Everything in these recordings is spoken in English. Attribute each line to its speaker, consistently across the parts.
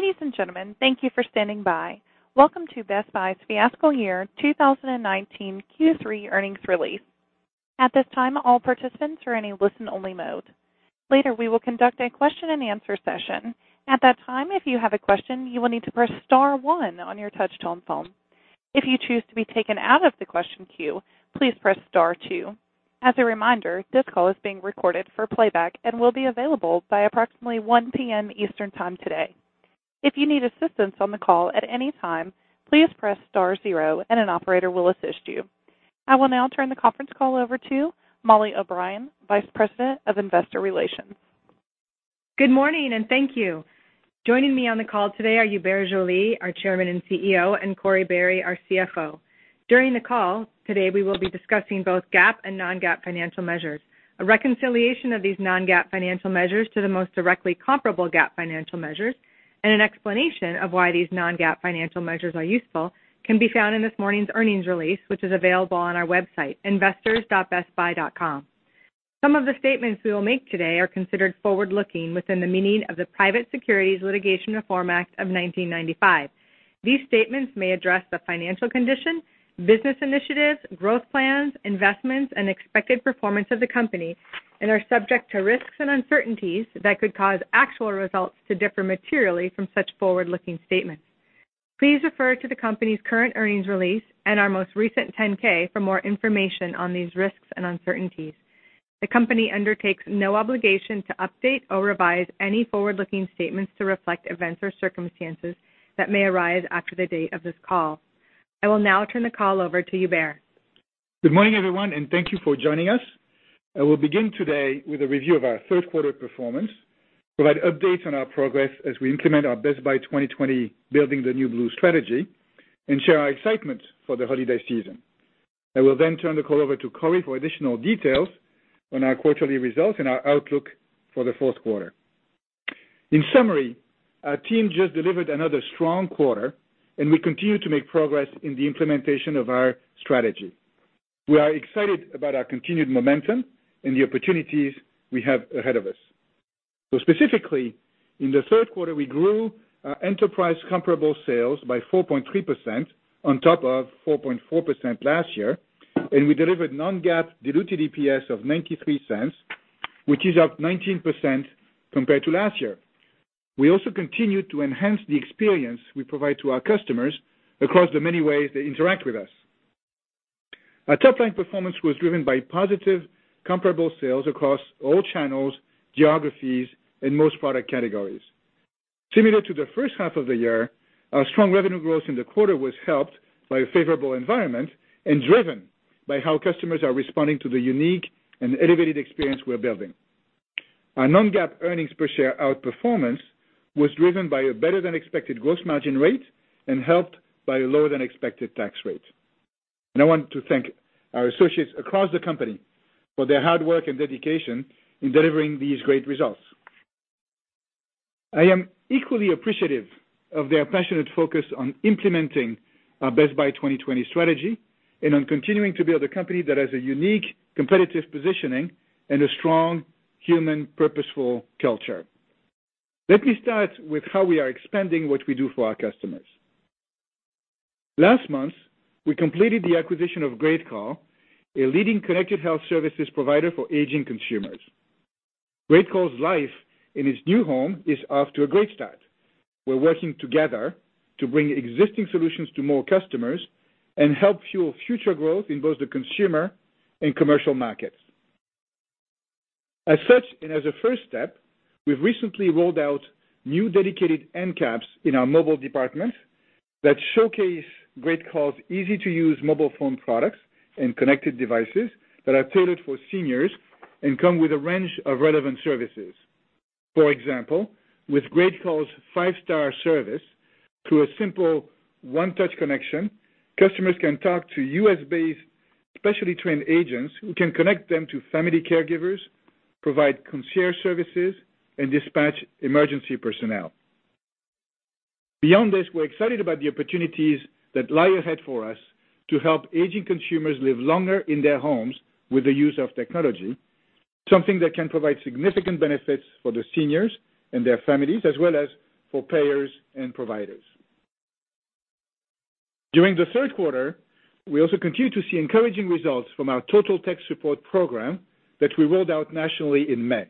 Speaker 1: Ladies and gentlemen, thank you for standing by. Welcome to Best Buy's Fiscal Year 2019 Q3 earnings release. At this time, all participants are in a listen-only mode. Later, we will conduct a question and answer session. At that time, if you have a question, you will need to press star one on your touch-tone phone. If you choose to be taken out of the question queue, please press star two. As a reminder, this call is being recorded for playback and will be available by approximately 1:00 P.M. Eastern Time today. If you need assistance on the call at any time, please press star zero and an operator will assist you. I will now turn the conference call over to Mollie O'Brien, Vice President of Investor Relations.
Speaker 2: Good morning, thank you. Joining me on the call today are Hubert Joly, our Chairman and CEO, and Corie Barry, our CFO. During the call today, we will be discussing both GAAP and non-GAAP financial measures. A reconciliation of these non-GAAP financial measures to the most directly comparable GAAP financial measures and an explanation of why these non-GAAP financial measures are useful can be found in this morning's earnings release, which is available on our website, investors.bestbuy.com. Some of the statements we will make today are considered forward-looking within the meaning of the Private Securities Litigation Reform Act of 1995. These statements may address the financial condition, business initiatives, growth plans, investments, and expected performance of the company and are subject to risks and uncertainties that could cause actual results to differ materially from such forward-looking statements. Please refer to the company's current earnings release and our most recent 10-K for more information on these risks and uncertainties. The company undertakes no obligation to update or revise any forward-looking statements to reflect events or circumstances that may arise after the date of this call. I will now turn the call over to Hubert.
Speaker 3: Good morning, everyone, thank you for joining us. I will begin today with a review of our third quarter performance, provide updates on our progress as we implement our Best Buy 2020 Building the New Blue strategy and share our excitement for the holiday season. I will then turn the call over to Corie for additional details on our quarterly results and our outlook for the fourth quarter. In summary, our team just delivered another strong quarter, and we continue to make progress in the implementation of our strategy. We are excited about our continued momentum and the opportunities we have ahead of us. Specifically, in the third quarter, we grew our enterprise comparable sales by 4.3% on top of 4.4% last year, and we delivered non-GAAP diluted EPS of $0.93, which is up 19% compared to last year. We also continued to enhance the experience we provide to our customers across the many ways they interact with us. Our top-line performance was driven by positive comparable sales across all channels, geographies, and most product categories. Similar to the first half of the year, our strong revenue growth in the quarter was helped by a favorable environment and driven by how customers are responding to the unique and elevated experience we're building. Our non-GAAP earnings per share outperformance was driven by a better-than-expected gross margin rate and helped by a lower-than-expected tax rate. I want to thank our associates across the company for their hard work and dedication in delivering these great results. I am equally appreciative of their passionate focus on implementing our Best Buy 2020 strategy and on continuing to build a company that has a unique competitive positioning and a strong human purposeful culture. Let me start with how we are expanding what we do for our customers. Last month, we completed the acquisition of GreatCall, a leading connected health services provider for aging consumers. GreatCall's life in its new home is off to a great start. We're working together to bring existing solutions to more customers and help fuel future growth in both the consumer and commercial markets. As such and as a first step, we've recently rolled out new dedicated end caps in our mobile department that showcase GreatCall's easy-to-use mobile phone products and connected devices that are tailored for seniors and come with a range of relevant services. For example, with GreatCall's five-star service, through a simple one-touch connection, customers can talk to U.S.-based, specially trained agents who can connect them to family caregivers, provide concierge services, and dispatch emergency personnel. Beyond this, we're excited about the opportunities that lie ahead for us to help aging consumers live longer in their homes with the use of technology, something that can provide significant benefits for the seniors and their families, as well as for payers and providers. During the third quarter, we also continued to see encouraging results from our Total Tech Support program that we rolled out nationally in May.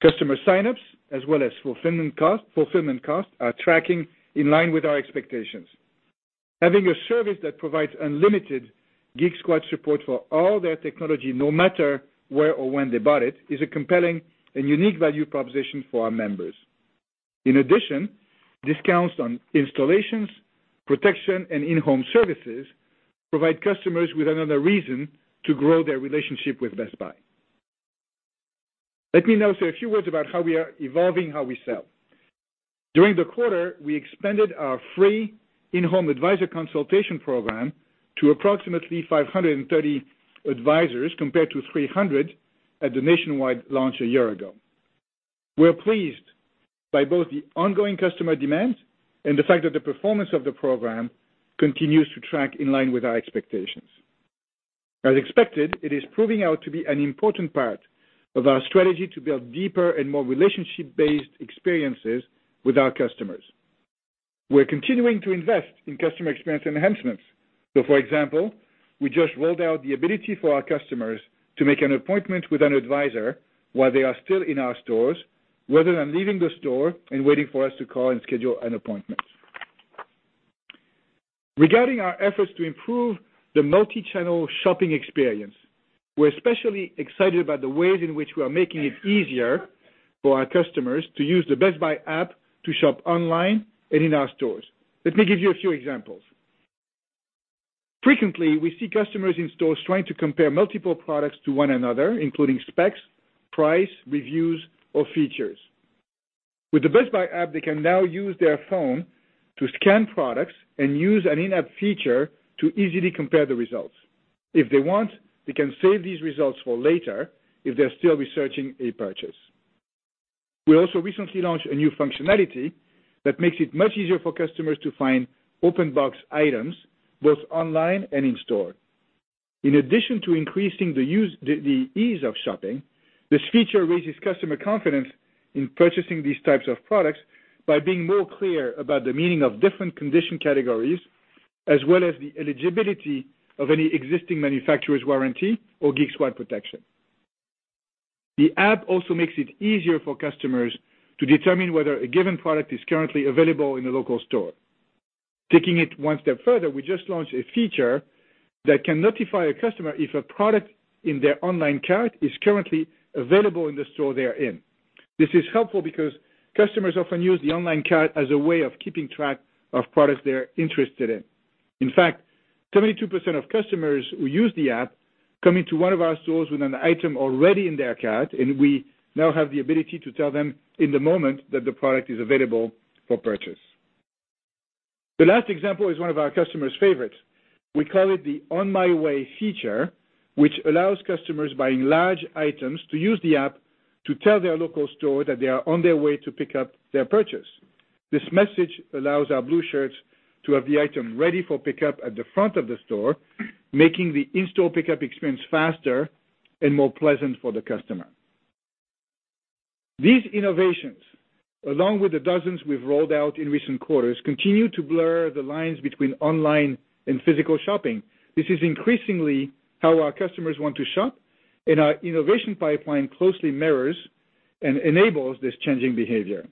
Speaker 3: Customer sign-ups as well as fulfillment costs are tracking in line with our expectations. Having a service that provides unlimited Geek Squad support for all their technology, no matter where or when they bought it, is a compelling and unique value proposition for our members. In addition, discounts on installations, protection, and in-home services provide customers with another reason to grow their relationship with Best Buy. Let me now say a few words about how we are evolving how we sell. During the quarter, we expanded our free In-Home Advisor consultation program to approximately 530 advisors compared to 300 at the nationwide launch a year ago. We're pleased by both the ongoing customer demand and the fact that the performance of the program continues to track in line with our expectations. As expected, it is proving out to be an important part of our strategy to build deeper and more relationship-based experiences with our customers. We're continuing to invest in customer experience enhancements. For example, we just rolled out the ability for our customers to make an appointment with an advisor while they are still in our stores, rather than leaving the store and waiting for us to call and schedule an appointment. Regarding our efforts to improve the multi-channel shopping experience, we're especially excited about the ways in which we are making it easier for our customers to use the Best Buy app to shop online and in our stores. Let me give you a few examples. Frequently, we see customers in stores trying to compare multiple products to one another, including specs, price, reviews, or features. With the Best Buy app, they can now use their phone to scan products and use an in-app feature to easily compare the results. If they want, they can save these results for later if they're still researching a purchase. We also recently launched a new functionality that makes it much easier for customers to find open box items both online and in-store. In addition to increasing the ease of shopping, this feature raises customer confidence in purchasing these types of products by being more clear about the meaning of different condition categories, as well as the eligibility of any existing manufacturer's warranty or Geek Squad protection. The app also makes it easier for customers to determine whether a given product is currently available in a local store. Taking it one step further, we just launched a feature that can notify a customer if a product in their online cart is currently available in the store they are in. This is helpful because customers often use the online cart as a way of keeping track of products they're interested in. In fact, 72% of customers who use the app come into one of our stores with an item already in their cart, and we now have the ability to tell them in the moment that the product is available for purchase. The last example is one of our customers' favorites. We call it the On My Way feature, which allows customers buying large items to use the app to tell their local store that they are on their way to pick up their purchase. This message allows our Blue Shirts to have the item ready for pickup at the front of the store, making the in-store pickup experience faster and more pleasant for the customer. These innovations, along with the dozens we've rolled out in recent quarters, continue to blur the lines between online and physical shopping. This is increasingly how our customers want to shop, and our innovation pipeline closely mirrors and enables this changing behavior.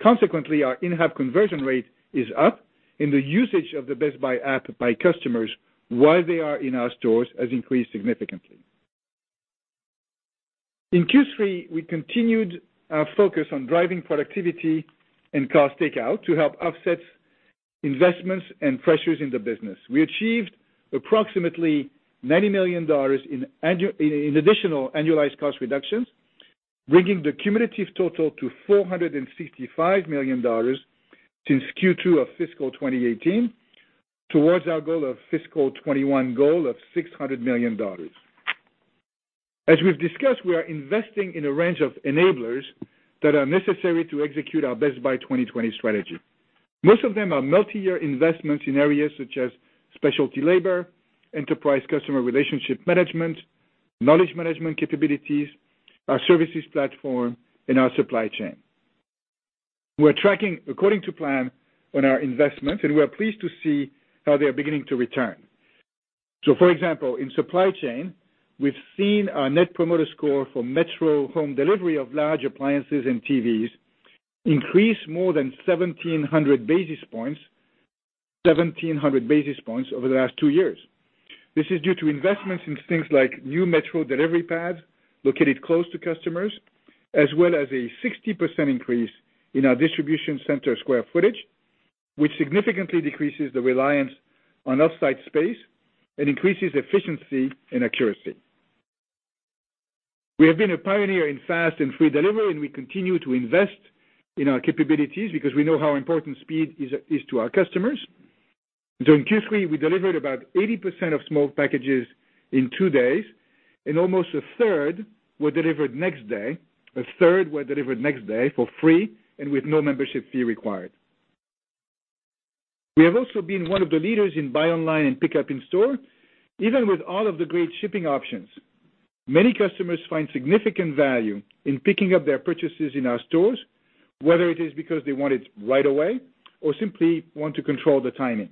Speaker 3: Consequently, our in-app conversion rate is up, and the usage of the Best Buy app by customers while they are in our stores has increased significantly. In Q3, we continued our focus on driving productivity and cost takeout to help offset investments and pressures in the business. We achieved approximately $90 million in additional annualized cost reductions, bringing the cumulative total to $465 million since Q2 of fiscal 2018, towards our fiscal 2021 goal of $600 million. As we've discussed, we are investing in a range of enablers that are necessary to execute our Best Buy 2020 strategy. Most of them are multi-year investments in areas such as specialty labor, enterprise Customer Relationship Management, knowledge management capabilities, our services platform, and our supply chain. We're tracking according to plan on our investments, we are pleased to see how they are beginning to return. For example, in supply chain, we've seen our net promoter score for metro home delivery of large appliances and TVs increase more than 1,700 basis points over the last two years. This is due to investments in things like new metro delivery pads located close to customers, as well as a 60% increase in our distribution center square footage, which significantly decreases the reliance on off-site space and increases efficiency and accuracy. We have been a pioneer in fast and free delivery, we continue to invest in our capabilities because we know how important speed is to our customers. In Q3, we delivered about 80% of small packages in two days, almost a third were delivered next day for free and with no membership fee required. We have also been one of the leaders in buy online and pickup in-store. Even with all of the great shipping options, many customers find significant value in picking up their purchases in our stores, whether it is because they want it right away or simply want to control the timing.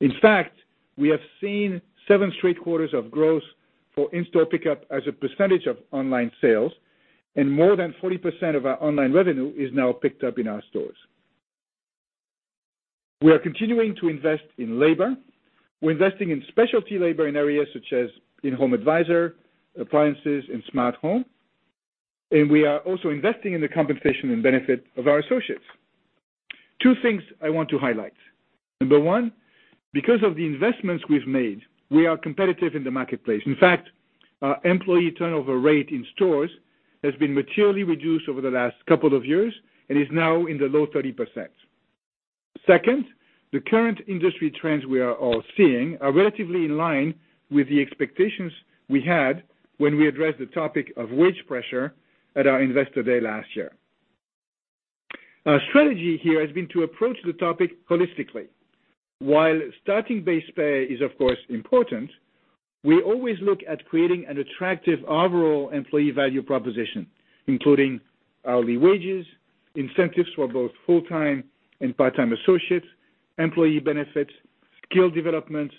Speaker 3: In fact, we have seen seven straight quarters of growth for in-store pickup as a percentage of online sales, and more than 40% of our online revenue is now picked up in our stores. We are continuing to invest in labor. We're investing in specialty labor in areas such as In-Home Advisor, appliances, and smart home, we are also investing in the compensation and benefit of our associates. Two things I want to highlight. Number one, because of the investments we've made, we are competitive in the marketplace. In fact, our employee turnover rate in stores has been materially reduced over the last couple of years and is now in the low 30%. Second, the current industry trends we are all seeing are relatively in line with the expectations we had when we addressed the topic of wage pressure at our Investor Day last year. Our strategy here has been to approach the topic holistically. While starting base pay is, of course, important, we always look at creating an attractive overall employee value proposition, including hourly wages, incentives for both full-time and part-time associates, employee benefits, skill development,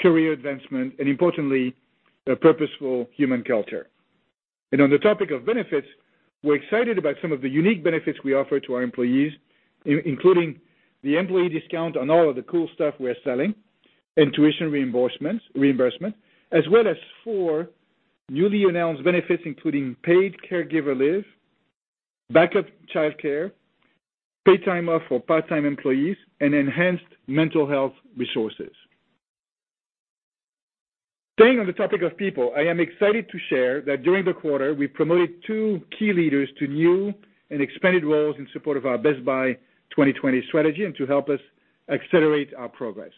Speaker 3: career advancement, importantly, a purposeful human culture. On the topic of benefits, we're excited about some of the unique benefits we offer to our employees, including the employee discount on all of the cool stuff we are selling and tuition reimbursement, as well as four newly announced benefits, including paid caregiver leave, backup childcare, paid time off for part-time employees, and enhanced mental health resources. Staying on the topic of people, I am excited to share that during the quarter, we promoted two key leaders to new and expanded roles in support of our Best Buy 2020 strategy and to help us accelerate our progress.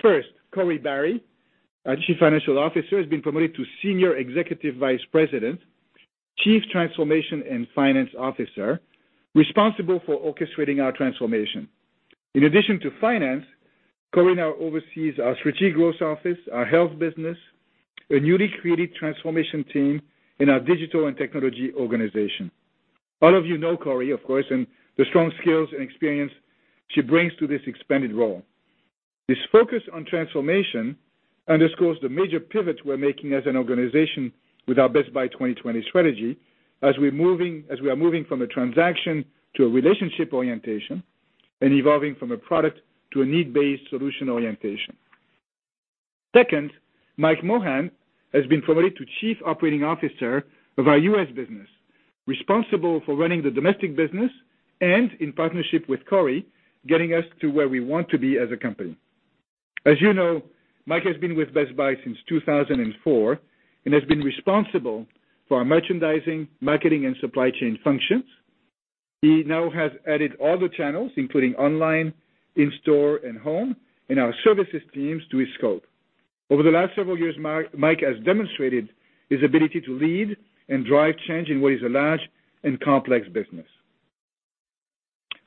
Speaker 3: First, Corie Barry, our Chief Financial Officer, has been promoted to Senior Executive Vice President, Chief Transformation and Finance Officer, responsible for orchestrating our transformation. In addition to finance, Corie now oversees our strategic growth office, our health business, a newly created transformation team in our digital and technology organization. All of you know Corie, of course, and the strong skills and experience she brings to this expanded role. This focus on transformation underscores the major pivot we're making as an organization with our Best Buy 2020 strategy as we are moving from a transaction to a relationship orientation and evolving from a product to a need-based solution orientation. Second, Mike Mohan has been promoted to Chief Operating Officer of our U.S. business, responsible for running the domestic business and, in partnership with Corie, getting us to where we want to be as a company. As you know, Mike has been with Best Buy since 2004 and has been responsible for our merchandising, marketing, and supply chain functions. He now has added all the channels, including online, in-store, and home, and our services teams to his scope. Over the last several years, Mike has demonstrated his ability to lead and drive change in what is a large and complex business.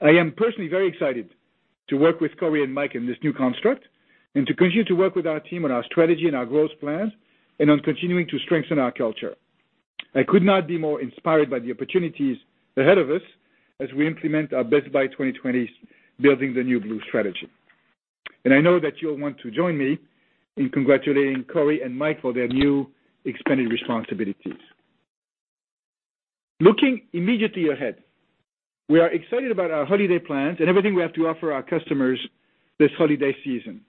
Speaker 3: I am personally very excited to work with Corie and Mike in this new construct and to continue to work with our team on our strategy and our growth plans and on continuing to strengthen our culture. I could not be more inspired by the opportunities ahead of us as we implement our Best Buy 2020 Building the New Blue strategy. I know that you'll want to join me in congratulating Corie and Mike for their new expanded responsibilities. Looking immediately ahead, we are excited about our holiday plans and everything we have to offer our customers this holiday season.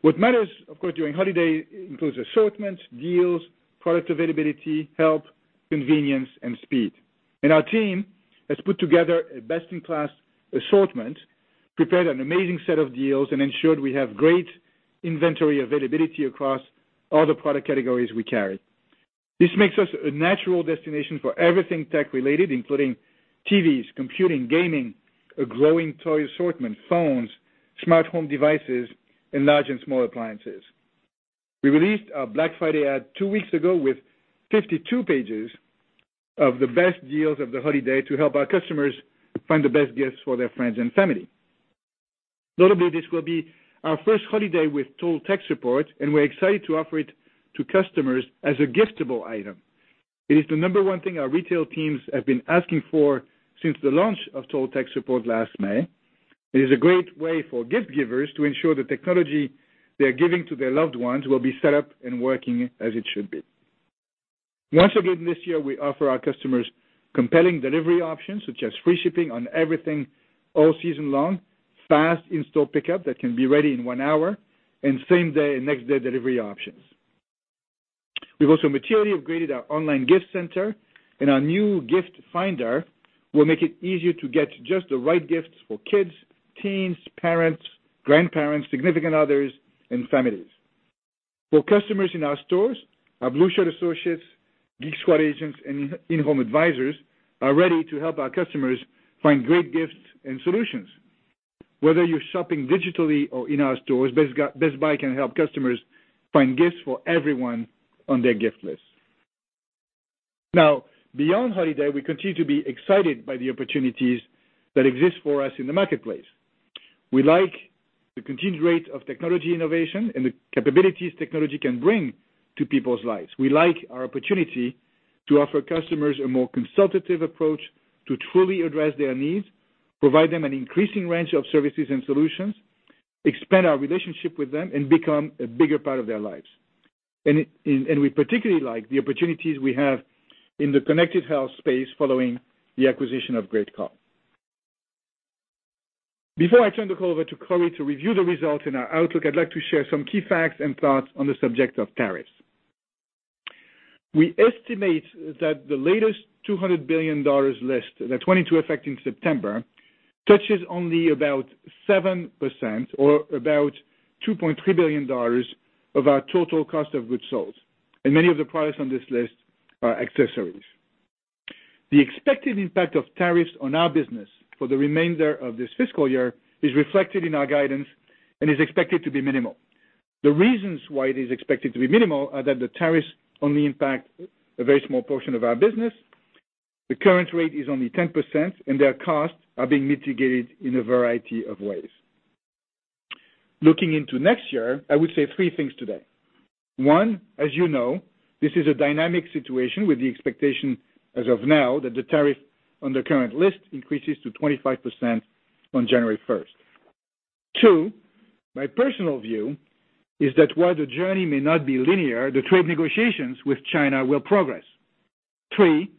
Speaker 3: What matters, of course, during holiday includes assortments, deals, product availability, help, convenience, and speed. Our team has put together a best-in-class assortment, prepared an amazing set of deals, and ensured we have great inventory availability across all the product categories we carry. This makes us a natural destination for everything tech-related, including TVs, computing, gaming, a growing toy assortment, phones, smart home devices, and large and small appliances. We released our Black Friday ad two weeks ago with 52 pages of the best deals of the holiday to help our customers find the best gifts for their friends and family. Notably, this will be our first holiday with Total Tech Support, and we're excited to offer it to customers as a giftable item. It is the number one thing our retail teams have been asking for since the launch of Total Tech Support last May. It is a great way for gift-givers to ensure the technology they are giving to their loved ones will be set up and working as it should be. Once again, this year, we offer our customers compelling delivery options, such as free shipping on everything all season long, fast in-store pickup that can be ready in one hour, and same-day and next-day delivery options. We've also materially upgraded our online gift center, and our new gift finder will make it easier to get just the right gifts for kids, teens, parents, grandparents, significant others, and families. For customers in our stores, our Blue Shirt associates, Geek Squad agents, and In-Home Advisors are ready to help our customers find great gifts and solutions. Whether you're shopping digitally or in our stores, Best Buy can help customers find gifts for everyone on their gift list. beyond holiday, we continue to be excited by the opportunities that exist for us in the marketplace. We like the continued rate of technology innovation and the capabilities technology can bring to people's lives. We like our opportunity to offer customers a more consultative approach to truly address their needs, provide them an increasing range of services and solutions, expand our relationship with them, and become a bigger part of their lives. We particularly like the opportunities we have in the connected health space following the acquisition of GreatCall. Before I turn the call over to Corie to review the results and our outlook, I'd like to share some key facts and thoughts on the subject of tariffs. We estimate that the latest $200 billion list, the 22 affecting September, touches only about 7% or about $2.3 billion of our total cost of goods sold, many of the products on this list are accessories. The expected impact of tariffs on our business for the remainder of this fiscal year is reflected in our guidance and is expected to be minimal. The reasons why it is expected to be minimal are that the tariffs only impact a very small portion of our business, the current rate is only 10%, and their costs are being mitigated in a variety of ways. Looking into next year, I would say three things today. One, as you know, this is a dynamic situation with the expectation as of now that the tariff on the current list increases to 25% on January 1st. Two, my personal view is that while the journey may not be linear, the trade negotiations with China will progress. Three,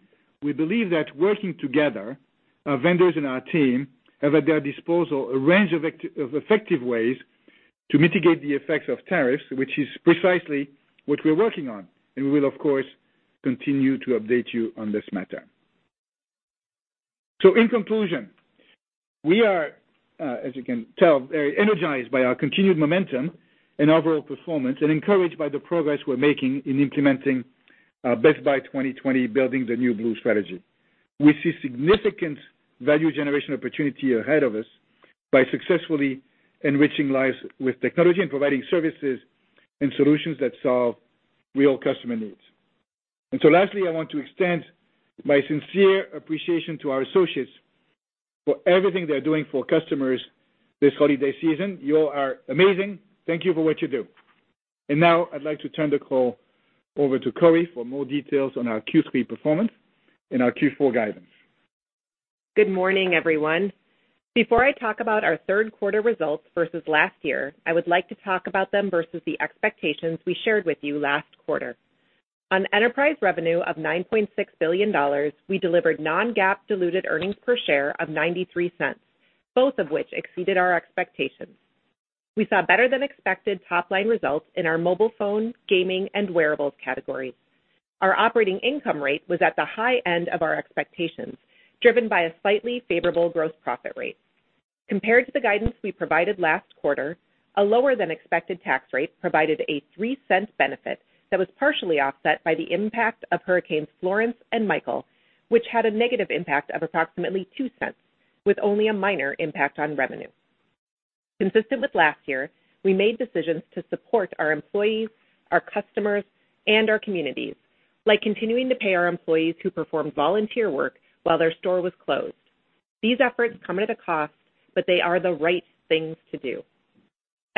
Speaker 3: we believe that working together, our vendors and our team have at their disposal a range of effective ways to mitigate the effects of tariffs, which is precisely what we're working on, we will, of course, continue to update you on this matter. In conclusion, we are, as you can tell, very energized by our continued momentum and overall performance and encouraged by the progress we're making in implementing our Best Buy 2020 Building the New Blue strategy. We see significant value generation opportunity ahead of us by successfully enriching lives with technology and providing services and solutions that solve real customer needs. Lastly, I want to extend my sincere appreciation to our associates for everything they're doing for customers this holiday season. You all are amazing. Thank you for what you do. Now I'd like to turn the call over to Corie for more details on our Q3 performance and our Q4 guidance.
Speaker 4: Good morning, everyone. Before I talk about our third quarter results versus last year, I would like to talk about them versus the expectations we shared with you last quarter. On enterprise revenue of $9.6 billion, we delivered non-GAAP diluted earnings per share of $0.93, both of which exceeded our expectations. We saw better-than-expected top-line results in our mobile phone, gaming, and wearables categories. Our operating income rate was at the high end of our expectations, driven by a slightly favorable gross profit rate. Compared to the guidance we provided last quarter, a lower-than-expected tax rate provided a $0.03 benefit that was partially offset by the impact of hurricanes Florence and Michael, which had a negative impact of approximately $0.02 with only a minor impact on revenue. Consistent with last year, we made decisions to support our employees, our customers, and our communities, like continuing to pay our employees who performed volunteer work while their store was closed. These efforts come at a cost, they are the right things to do.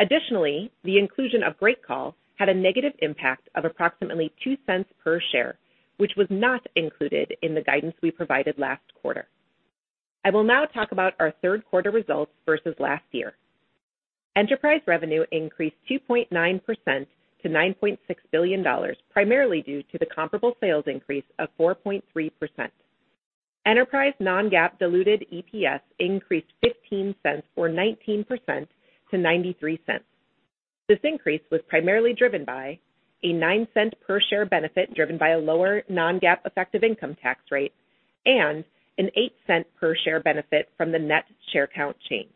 Speaker 4: Additionally, the inclusion of GreatCall had a negative impact of approximately $0.02 per share, which was not included in the guidance we provided last quarter. I will now talk about our third quarter results versus last year. Enterprise revenue increased 2.9% to $9.6 billion, primarily due to the comparable sales increase of 4.3%. Enterprise non-GAAP diluted EPS increased $0.15 or 19% to $0.93. This increase was primarily driven by a $0.09 per share benefit driven by a lower non-GAAP effective income tax rate and an $0.08 per share benefit from the net share count change.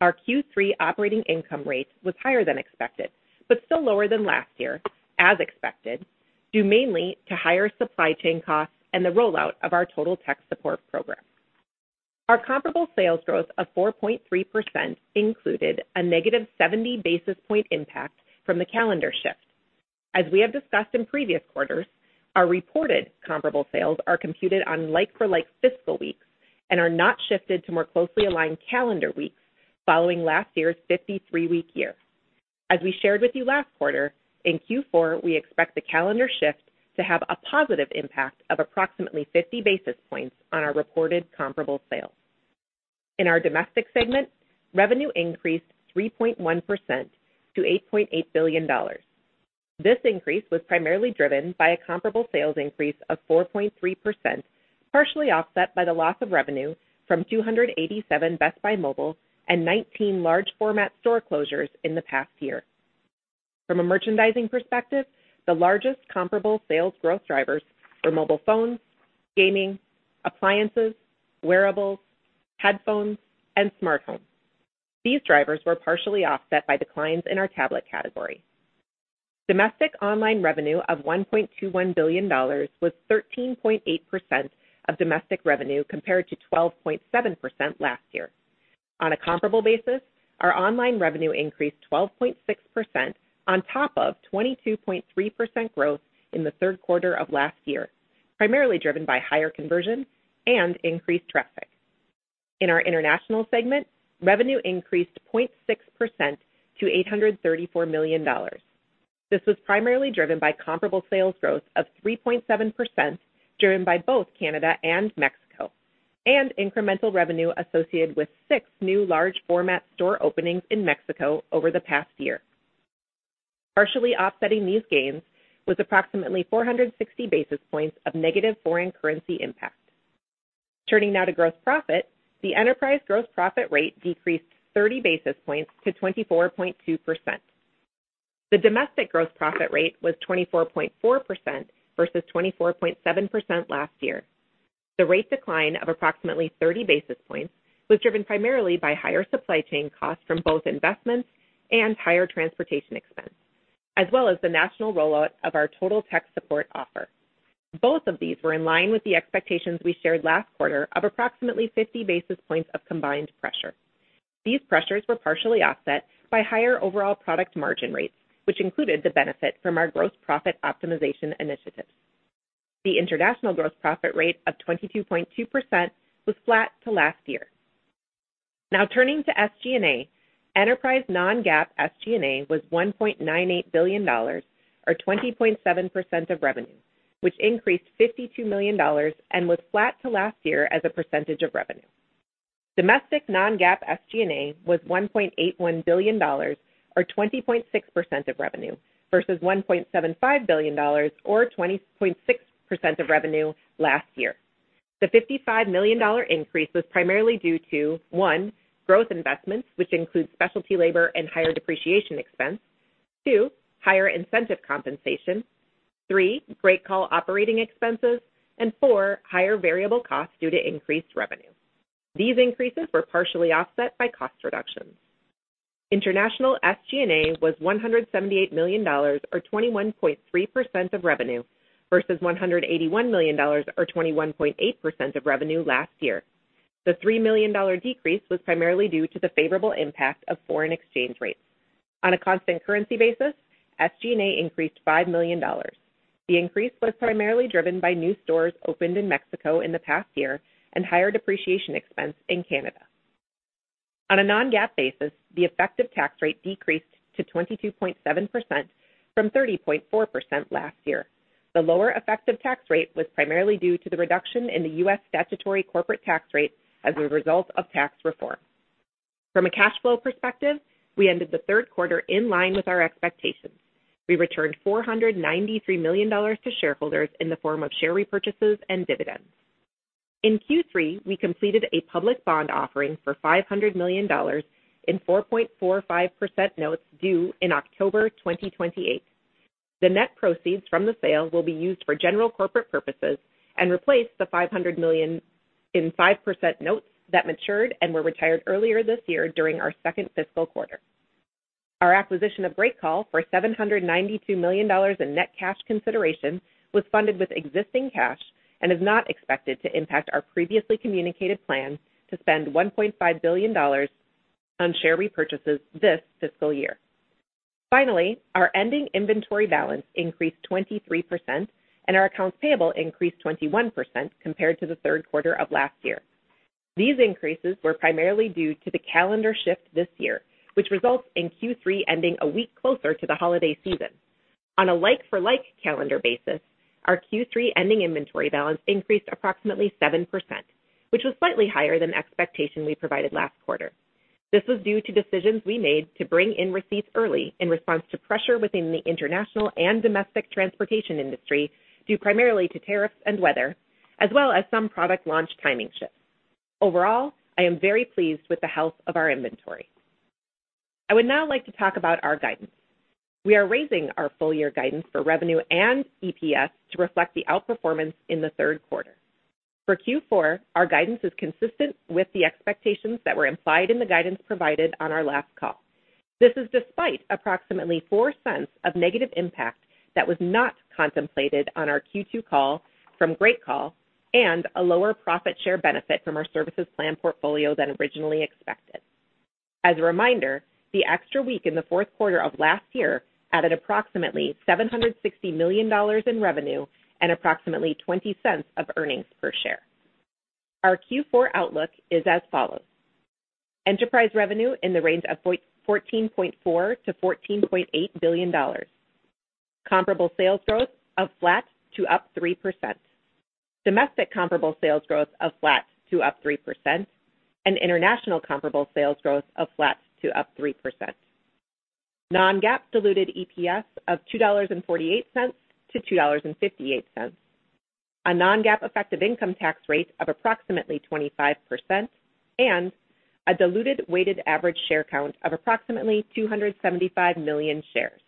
Speaker 4: Our Q3 operating income rate was higher than expected, but still lower than last year, as expected, due mainly to higher supply chain costs and the rollout of our Total Tech Support program. Our comparable sales growth of 4.3% included a negative 70 basis point impact from the calendar shift. As we have discussed in previous quarters, our reported comparable sales are computed on like-for-like fiscal weeks and are not shifted to more closely aligned calendar weeks following last year's 53-week year. As we shared with you last quarter, in Q4, we expect the calendar shift to have a positive impact of approximately 50 basis points on our reported comparable sales. In our domestic segment, revenue increased 3.1% to $8.8 billion. This increase was primarily driven by a comparable sales increase of 4.3%, partially offset by the loss of revenue from 287 Best Buy Mobile and 19 large format store closures in the past year. From a merchandising perspective, the largest comparable sales growth drivers were mobile phones, gaming, appliances, wearables, headphones, and smart homes. These drivers were partially offset by declines in our tablet category. Domestic online revenue of $1.21 billion was 13.8% of domestic revenue, compared to 12.7% last year. On a comparable basis, our online revenue increased 12.6% on top of 22.3% growth in the third quarter of last year, primarily driven by higher conversion and increased traffic. In our international segment, revenue increased 0.6% to $834 million. This was primarily driven by comparable sales growth of 3.7%, driven by both Canada and Mexico, and incremental revenue associated with six new large format store openings in Mexico over the past year. Partially offsetting these gains was approximately 460 basis points of negative foreign currency impact. Turning now to gross profit. The enterprise gross profit rate decreased 30 basis points to 24.2%. The domestic gross profit rate was 24.4% versus 24.7% last year. The rate decline of approximately 30 basis points was driven primarily by higher supply chain costs from both investments and higher transportation expense. As well as the national rollout of our Total Tech Support offer. Both of these were in line with the expectations we shared last quarter of approximately 50 basis points of combined pressure. These pressures were partially offset by higher overall product margin rates, which included the benefit from our gross profit optimization initiatives. The international gross profit rate of 22.2% was flat to last year. Now turning to SG&A, enterprise non-GAAP SG&A was $1.98 billion or 20.7% of revenue, which increased $52 million and was flat to last year as a percentage of revenue. Domestic non-GAAP SG&A was $1.81 billion or 20.6% of revenue versus $1.75 billion or 20.6% of revenue last year. The $55 million increase was primarily due to, one, growth investments, which includes specialty labor and higher depreciation expense. Two, higher incentive compensation. Three, GreatCall operating expenses. And four, higher variable costs due to increased revenue. These increases were partially offset by cost reductions. International SG&A was $178 million or 21.3% of revenue versus $181 million or 21.8% of revenue last year. The $3 million decrease was primarily due to the favorable impact of foreign exchange rates. On a constant currency basis, SG&A increased $5 million. The increase was primarily driven by new stores opened in Mexico in the past year and higher depreciation expense in Canada. On a non-GAAP basis, the effective tax rate decreased to 22.7% from 30.4% last year. The lower effective tax rate was primarily due to the reduction in the U.S. statutory corporate tax rate as a result of tax reform. From a cash flow perspective, we ended the third quarter in line with our expectations. We returned $493 million to shareholders in the form of share repurchases and dividends. In Q3, we completed a public bond offering for $500 million in 4.45% notes due in October 2028. The net proceeds from the sale will be used for general corporate purposes and replace the $500 million in 5% notes that matured and were retired earlier this year during our second fiscal quarter. Our acquisition of GreatCall for $792 million in net cash consideration was funded with existing cash and is not expected to impact our previously communicated plan to spend $1.5 billion on share repurchases this fiscal year. Finally, our ending inventory balance increased 23% and our accounts payable increased 21% compared to the third quarter of last year. These increases were primarily due to the calendar shift this year, which results in Q3 ending a week closer to the holiday season. On a like for like calendar basis, our Q3 ending inventory balance increased approximately 7%, which was slightly higher than expectation we provided last quarter. This was due to decisions we made to bring in receipts early in response to pressure within the international and domestic transportation industry, due primarily to tariffs and weather, as well as some product launch timing shifts. Overall, I am very pleased with the health of our inventory. I would now like to talk about our guidance. We are raising our full year guidance for revenue and EPS to reflect the outperformance in the third quarter. For Q4, our guidance is consistent with the expectations that were implied in the guidance provided on our last call. This is despite approximately $0.04 of negative impact that was not contemplated on our Q2 call from GreatCall and a lower profit share benefit from our services plan portfolio than originally expected. As a reminder, the extra week in the fourth quarter of last year added approximately $760 million in revenue and approximately $0.20 of earnings per share. Our Q4 outlook is as follows. Enterprise revenue in the range of $14.4 billion-$14.8 billion. Comparable sales growth of flat to up 3%. Domestic comparable sales growth of flat to up 3%, and international comparable sales growth of flat to up 3%. Non-GAAP diluted EPS of $2.48-$2.58. A non-GAAP effective income tax rate of approximately 25%, and a diluted weighted average share count of approximately 275 million shares.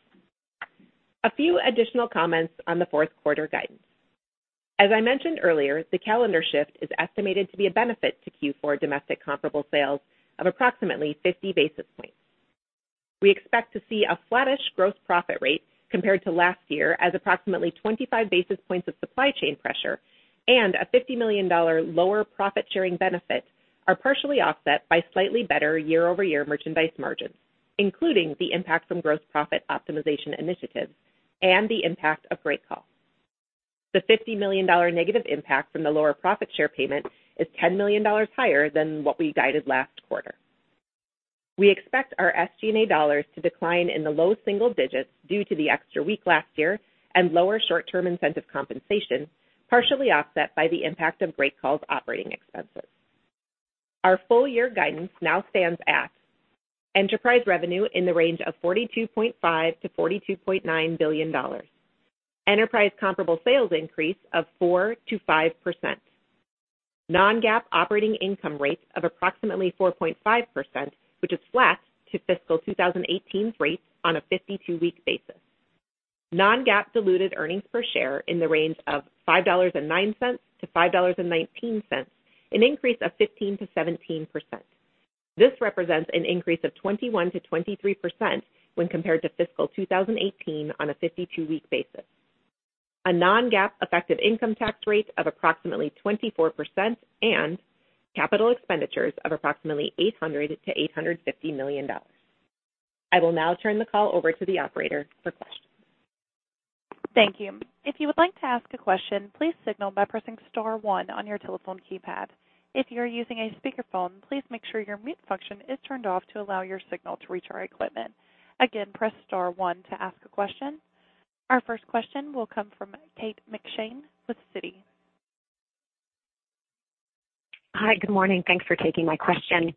Speaker 4: A few additional comments on the fourth quarter guidance. As I mentioned earlier, the calendar shift is estimated to be a benefit to Q4 domestic comparable sales of approximately 50 basis points. We expect to see a flattish gross profit rate compared to last year as approximately 25 basis points of supply chain pressure and a $50 million lower profit-sharing benefit are partially offset by slightly better year-over-year merchandise margins, including the impact from gross profit optimization initiatives and the impact of GreatCall. The $50 million negative impact from the lower profit share payment is $10 million higher than what we guided last quarter. We expect our SG&A dollars to decline in the low single digits due to the extra week last year and lower short-term incentive compensation, partially offset by the impact of GreatCall's operating expenses. Our full year guidance now stands at enterprise revenue in the range of $42.5 billion-$42.9 billion. Enterprise comparable sales increase of 4%-5%. Non-GAAP operating income rates of approximately 4.5%, which is flat to fiscal 2018 rates on a 52-week basis. Non-GAAP diluted earnings per share in the range of $5.09-$5.19, an increase of 15%-17%. This represents an increase of 21%-23% when compared to fiscal 2018 on a 52-week basis. A non-GAAP effective income tax rate of approximately 24%, and capital expenditures of approximately $800 million-$850 million. I will now turn the call over to the operator for questions.
Speaker 1: Thank you. If you would like to ask a question, please signal by pressing star one on your telephone keypad. If you're using a speakerphone, please make sure your mute function is turned off to allow your signal to reach our equipment. Again, press star one to ask a question. Our first question will come from Kate McShane with Citi.
Speaker 5: Hi. Good morning. Thanks for taking my question.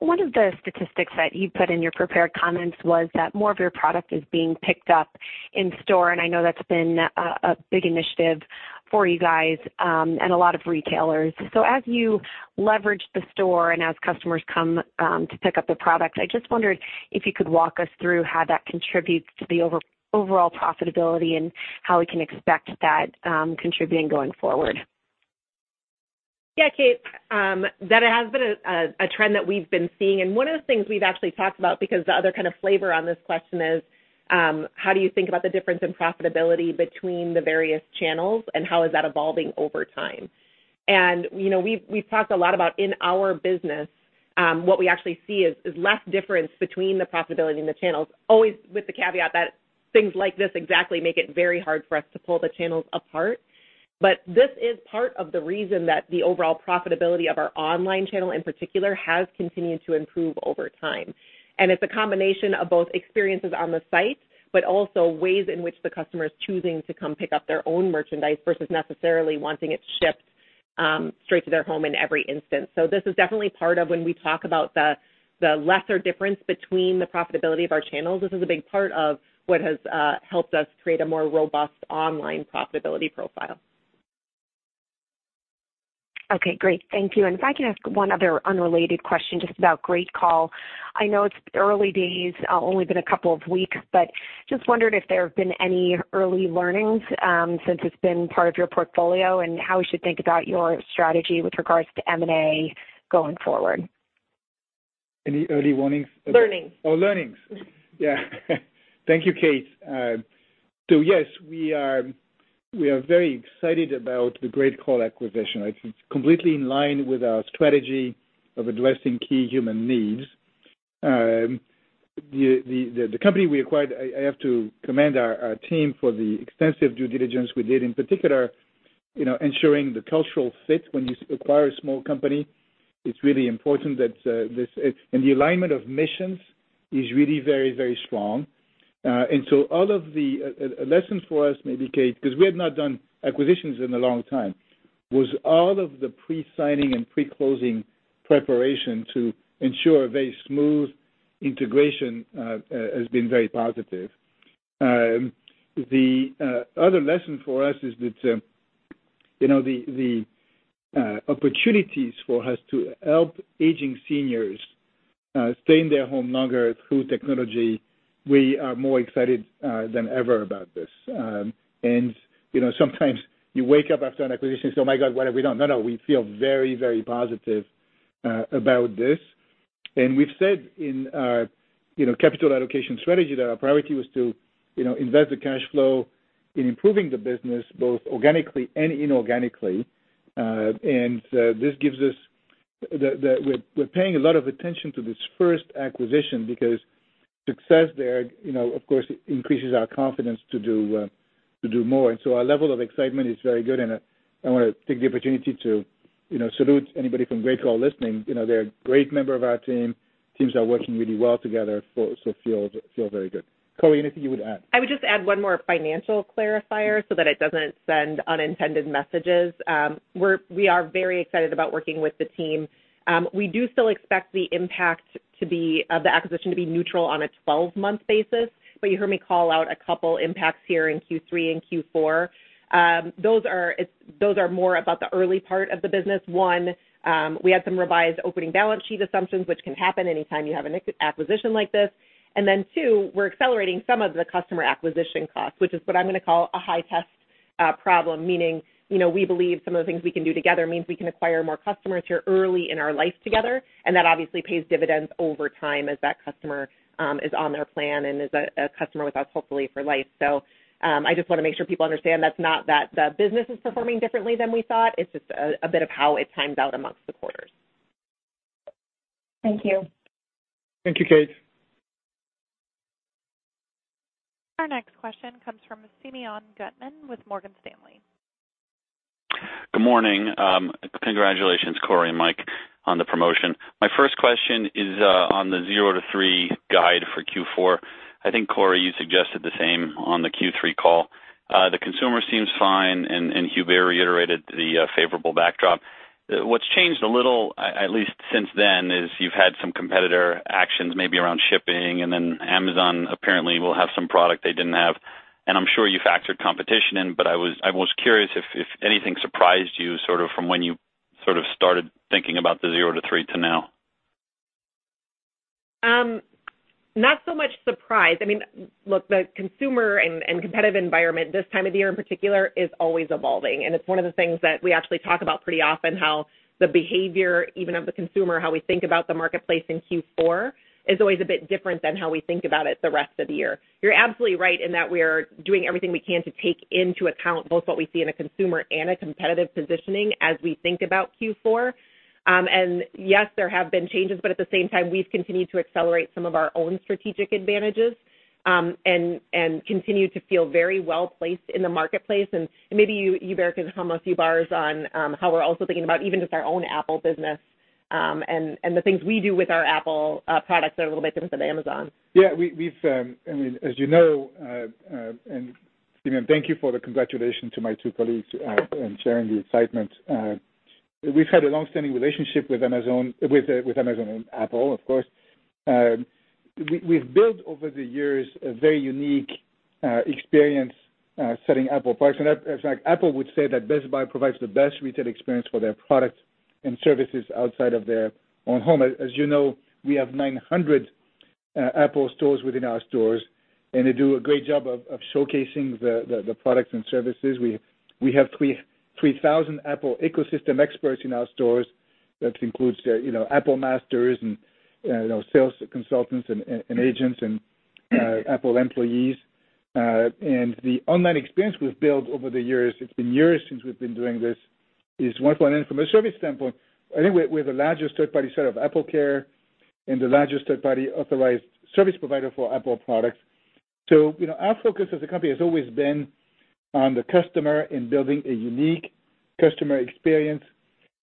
Speaker 5: One of the statistics that you put in your prepared comments was that more of your product is being picked up in-store. I know that's been a big initiative for you guys, A lot of retailers. As you leverage the store and as customers come to pick up their products, I just wondered if you could walk us through how that contributes to the overall profitability and how we can expect that contributing going forward.
Speaker 4: Yeah, Kate. That has been a trend that we've been seeing. One of the things we've actually talked about, because the other kind of flavor on this question is, how do you think about the difference in profitability between the various channels and how is that evolving over time? We've talked a lot about in our business, what we actually see is less difference between the profitability and the channels. Always with the caveat that things like this exactly make it very hard for us to pull the channels apart. This is part of the reason that the overall profitability of our online channel in particular, has continued to improve over time. It's a combination of both experiences on the site, but also ways in which the customer is choosing to come pick up their own merchandise versus necessarily wanting it shipped straight to their home in every instance. This is definitely part of when we talk about the lesser difference between the profitability of our channels. This is a big part of what has helped us create a more robust online profitability profile.
Speaker 5: Okay, great. Thank you. If I can ask one other unrelated question, just about GreatCall. I know it's early days, only been a couple of weeks, but just wondered if there have been any early learnings, since it's been part of your portfolio, and how we should think about your strategy with regards to M&A going forward.
Speaker 3: Any early warnings about-
Speaker 4: Learnings.
Speaker 3: Oh, learnings. Yeah. Thank you, Kate. Yes, we are very excited about the GreatCall acquisition. It's completely in line with our strategy of addressing key human needs. The company we acquired, I have to commend our team for the extensive due diligence we did. In particular, ensuring the cultural fit when you acquire a small company, it's really important that the alignment of missions is really very strong. All of the lessons for us maybe, Kate, because we had not done acquisitions in a long time, was all of the pre-signing and pre-closing preparation to ensure a very smooth integration, has been very positive. The other lesson for us is that the opportunities for us to help aging seniors, stay in their home longer through technology, we are more excited than ever about this. Sometimes you wake up after an acquisition and say, "Oh, my God, what have we done." No, we feel very positive about this. We've said in our capital allocation strategy that our priority was to invest the cash flow in improving the business, both organically and inorganically. We're paying a lot of attention to this first acquisition because success there, of course, increases our confidence to do more. Our level of excitement is very good, and I want to take the opportunity to salute anybody from GreatCall listening. They're a great member of our team. Teams are working really well together, so it feels very good. Corie, anything you would add?
Speaker 4: I would just add one more financial clarifier so that it doesn't send unintended messages. We are very excited about working with the team. We do still expect the impact of the acquisition to be neutral on a 12-month basis, but you heard me call out a couple impacts here in Q3 and Q4. Those are more about the early part of the business. One, we had some revised opening balance sheet assumptions, which can happen anytime you have an acquisition like this. Two, we're accelerating some of the customer acquisition costs, which is what I'm going to call a high test problem, meaning, we believe some of the things we can do together means we can acquire more customers who are early in our life together, and that obviously pays dividends over time as that customer is on their plan and is a customer with us, hopefully for life. I just want to make sure people understand that's not that the business is performing differently than we thought. It's just a bit of how it times out amongst the quarters.
Speaker 5: Thank you.
Speaker 3: Thank you, Kate.
Speaker 1: Our next question comes from Simeon Gutman with Morgan Stanley.
Speaker 6: Good morning. Congratulations, Corie and Mike, on the promotion. My first question is on the 0%-3% guide for Q4. I think Corie, you suggested the same on the Q3 call. The consumer seems fine, and Hubert reiterated the favorable backdrop. What's changed a little, at least since then, is you've had some competitor actions maybe around shipping, and then Amazon apparently will have some product they didn't have, and I'm sure you factored competition in, but I was curious if anything surprised you sort of from when you sort of started thinking about the 0%-3% to now.
Speaker 4: Not so much surprise. I mean, look, the consumer and competitive environment this time of the year in particular is always evolving, and it's one of the things that we actually talk about pretty often, how the behavior even of the consumer, how we think about the marketplace in Q4, is always a bit different than how we think about it the rest of the year. You're absolutely right in that we're doing everything we can to take into account both what we see in a consumer and a competitive positioning as we think about Q4. Yes, there have been changes, but at the same time, we've continued to accelerate some of our own strategic advantages, and continue to feel very well-placed in the marketplace. Maybe you, Hubert, can hum a few bars on how we're also thinking about even just our own Apple business, and the things we do with our Apple products that are a little bit different than Amazon.
Speaker 3: As you know, Simeon, thank you for the congratulations to my two colleagues and sharing the excitement. We've had a long-standing relationship with Amazon and Apple, of course. We've built over the years a very unique experience selling Apple products. In fact, Apple would say that Best Buy provides the best retail experience for their products and services outside of their own home. As you know, we have 900 Apple stores within our stores. They do a great job of showcasing the products and services. We have 3,000 Apple ecosystem experts in our stores. That includes their Apple masters and sales consultants and agents and Apple employees. The online experience we've built over the years, it's been years since we've been doing this, is one point. From a service standpoint, I think we're the largest third-party set of AppleCare and the largest third-party authorized service provider for Apple products. Our focus as a company has always been on the customer in building a unique customer experience.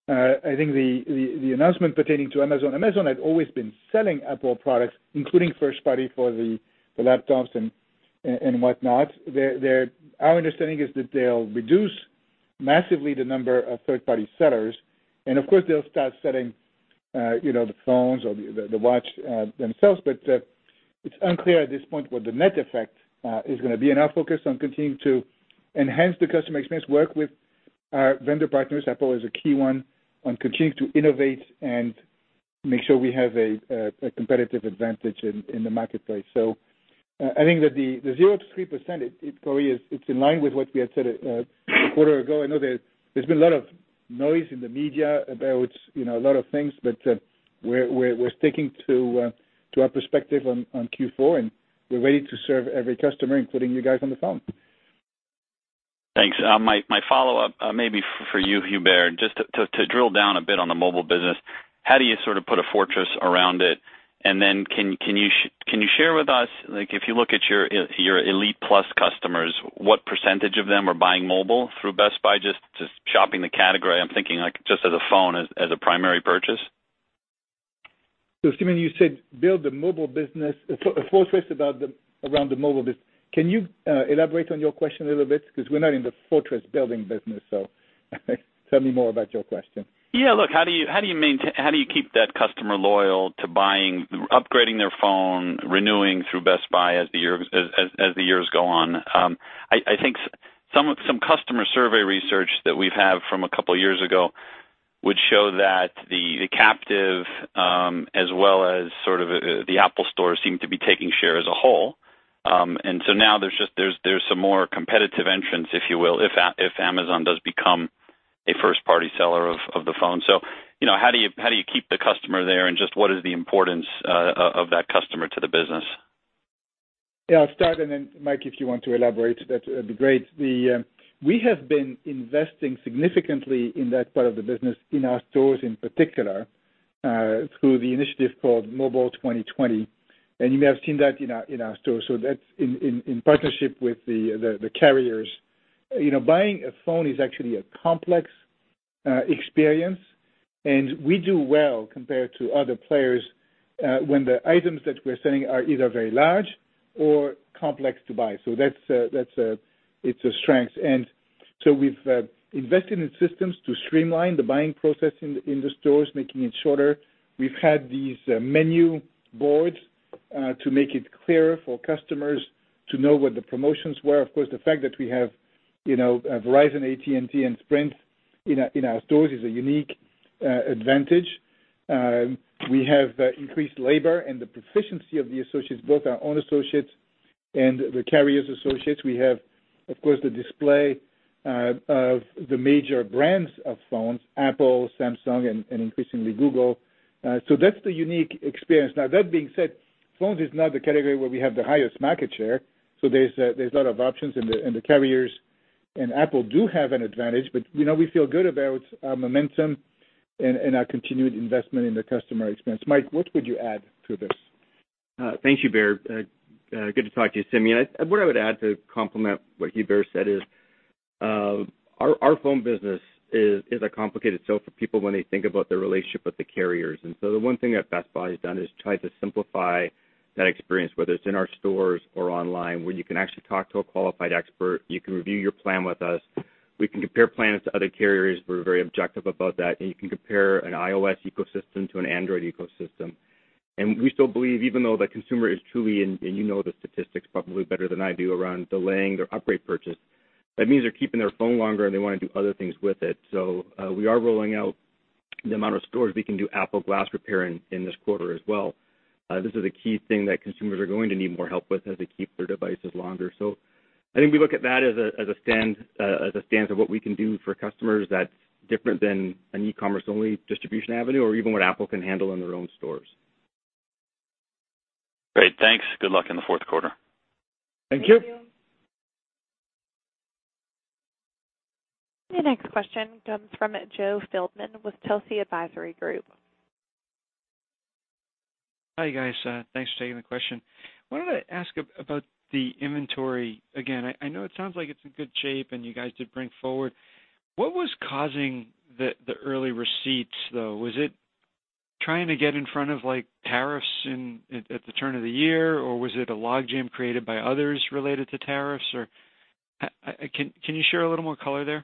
Speaker 3: I think the announcement pertaining to Amazon had always been selling Apple products, including first party for the laptops and whatnot. Our understanding is that they'll reduce massively the number of third-party sellers. Of course, they'll start selling the phones or the Watch themselves, but it's unclear at this point what the net effect is going to be. Our focus on continuing to enhance the customer experience, work with our vendor partners, Apple is a key one, on continuing to innovate and make sure we have a competitive advantage in the marketplace. I think that the 0%-3%, it probably is in line with what we had said a quarter ago. I know there's been a lot of noise in the media about a lot of things. We're sticking to our perspective on Q4. We're ready to serve every customer, including you guys on the phone.
Speaker 6: Thanks. My follow-up, maybe for you, Hubert, just to drill down a bit on the mobile business, how do you sort of put a fortress around it? Can you share with us, if you look at your Elite Plus customers, what percentage of them are buying mobile through Best Buy, just shopping the category? I'm thinking like just as a phone, as a primary purchase.
Speaker 3: Simeon, you said build a mobile business, a fortress around the mobile business. Can you elaborate on your question a little bit? Because we're not in the fortress-building business, so tell me more about your question.
Speaker 6: Look, how do you keep that customer loyal to buying, upgrading their phone, renewing through Best Buy as the years go on? I think some customer survey research that we have from a couple of years ago would show that the captive, as well as sort of the Apple stores seem to be taking share as a whole. Now there's some more competitive entrants, if you will, if Amazon does become a first-party seller of the phone. How do you keep the customer there, and just what is the importance of that customer to the business?
Speaker 3: I'll start, and then Mike, if you want to elaborate, that'd be great. We have been investing significantly in that part of the business in our stores in particular, through the initiative called Mobile 2020, and you may have seen that in our stores. That's in partnership with the carriers. Buying a phone is actually a complex experience, and we do well compared to other players, when the items that we're selling are either very large or complex to buy. So it's a strength. We've invested in systems to streamline the buying process in the stores, making it shorter. We've had these menu boards to make it clearer for customers to know what the promotions were. Of course, the fact that we have Verizon, AT&T, and Sprint in our stores is a unique advantage. We have increased labor and the proficiency of the associates, both our own associates and the carriers' associates. We have, of course, the display of the major brands of phones, Apple, Samsung, and increasingly Google. That's the unique experience. That being said, phones is not the category where we have the highest market share. There's a lot of options, and the carriers and Apple do have an advantage, but we feel good about our momentum and our continued investment in the customer experience. Mike, what would you add to this?
Speaker 7: Thank you, Hubert. Good to talk to you, Simeon. What I would add to complement what Hubert said is, our phone business is a complicated sell for people when they think about their relationship with the carriers. The one thing that Best Buy has done is tried to simplify that experience, whether it's in our stores or online, where you can actually talk to a qualified expert, you can review your plan with us. We can compare plans to other carriers. We're very objective about that, and you can compare an iOS ecosystem to an Android ecosystem. We still believe, even though the consumer is truly, and you know the statistics probably better than I do around delaying their upgrade purchase. That means they're keeping their phone longer and they want to do other things with it. We are rolling out the amount of stores we can do Apple glass repair in this quarter as well. This is a key thing that consumers are going to need more help with as they keep their devices longer. I think we look at that as a stance of what we can do for customers that's different than an e-commerce-only distribution avenue or even what Apple can handle in their own stores.
Speaker 6: Great. Thanks. Good luck in the fourth quarter.
Speaker 3: Thank you.
Speaker 4: Thank you.
Speaker 1: The next question comes from Jose Feldman with Telsey Advisory Group.
Speaker 8: Hi, guys. Thanks for taking the question. Wanted to ask about the inventory again. I know it sounds like it's in good shape, and you guys did bring forward. What was causing the early receipts, though? Was it trying to get in front of tariffs at the turn of the year, or was it a logjam created by others related to tariffs? Can you share a little more color there?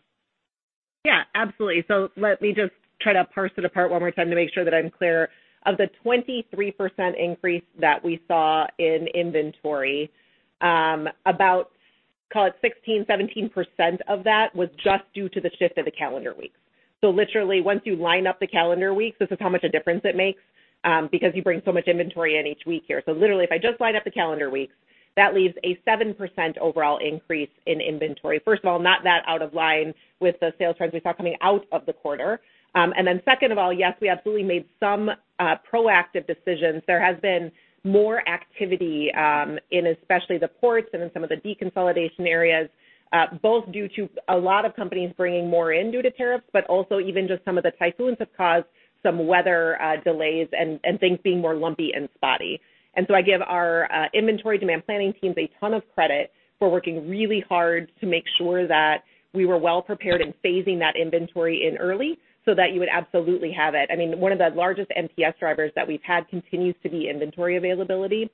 Speaker 4: Yeah, absolutely. Let me just try to parse it apart one more time to make sure that I'm clear. Of the 23% increase that we saw in inventory, about, call it 16, 17% of that was just due to the shift of the calendar weeks. Literally, once you line up the calendar weeks, this is how much a difference it makes, because you bring so much inventory in each week here. Literally, if I just line up the calendar weeks, that leaves a 7% overall increase in inventory. First of all, not that out of line with the sales trends we saw coming out of the quarter. Second of all, yes, we absolutely made some proactive decisions. There has been more activity, in especially the ports and in some of the deconsolidation areas, both due to a lot of companies bringing more in due to tariffs, but also even just some of the typhoons have caused some weather delays and things being more lumpy and spotty. I give our inventory demand planning teams a ton of credit for working really hard to make sure that we were well prepared in phasing that inventory in early so that you would absolutely have it. One of the largest NPS drivers that we've had continues to be inventory availability,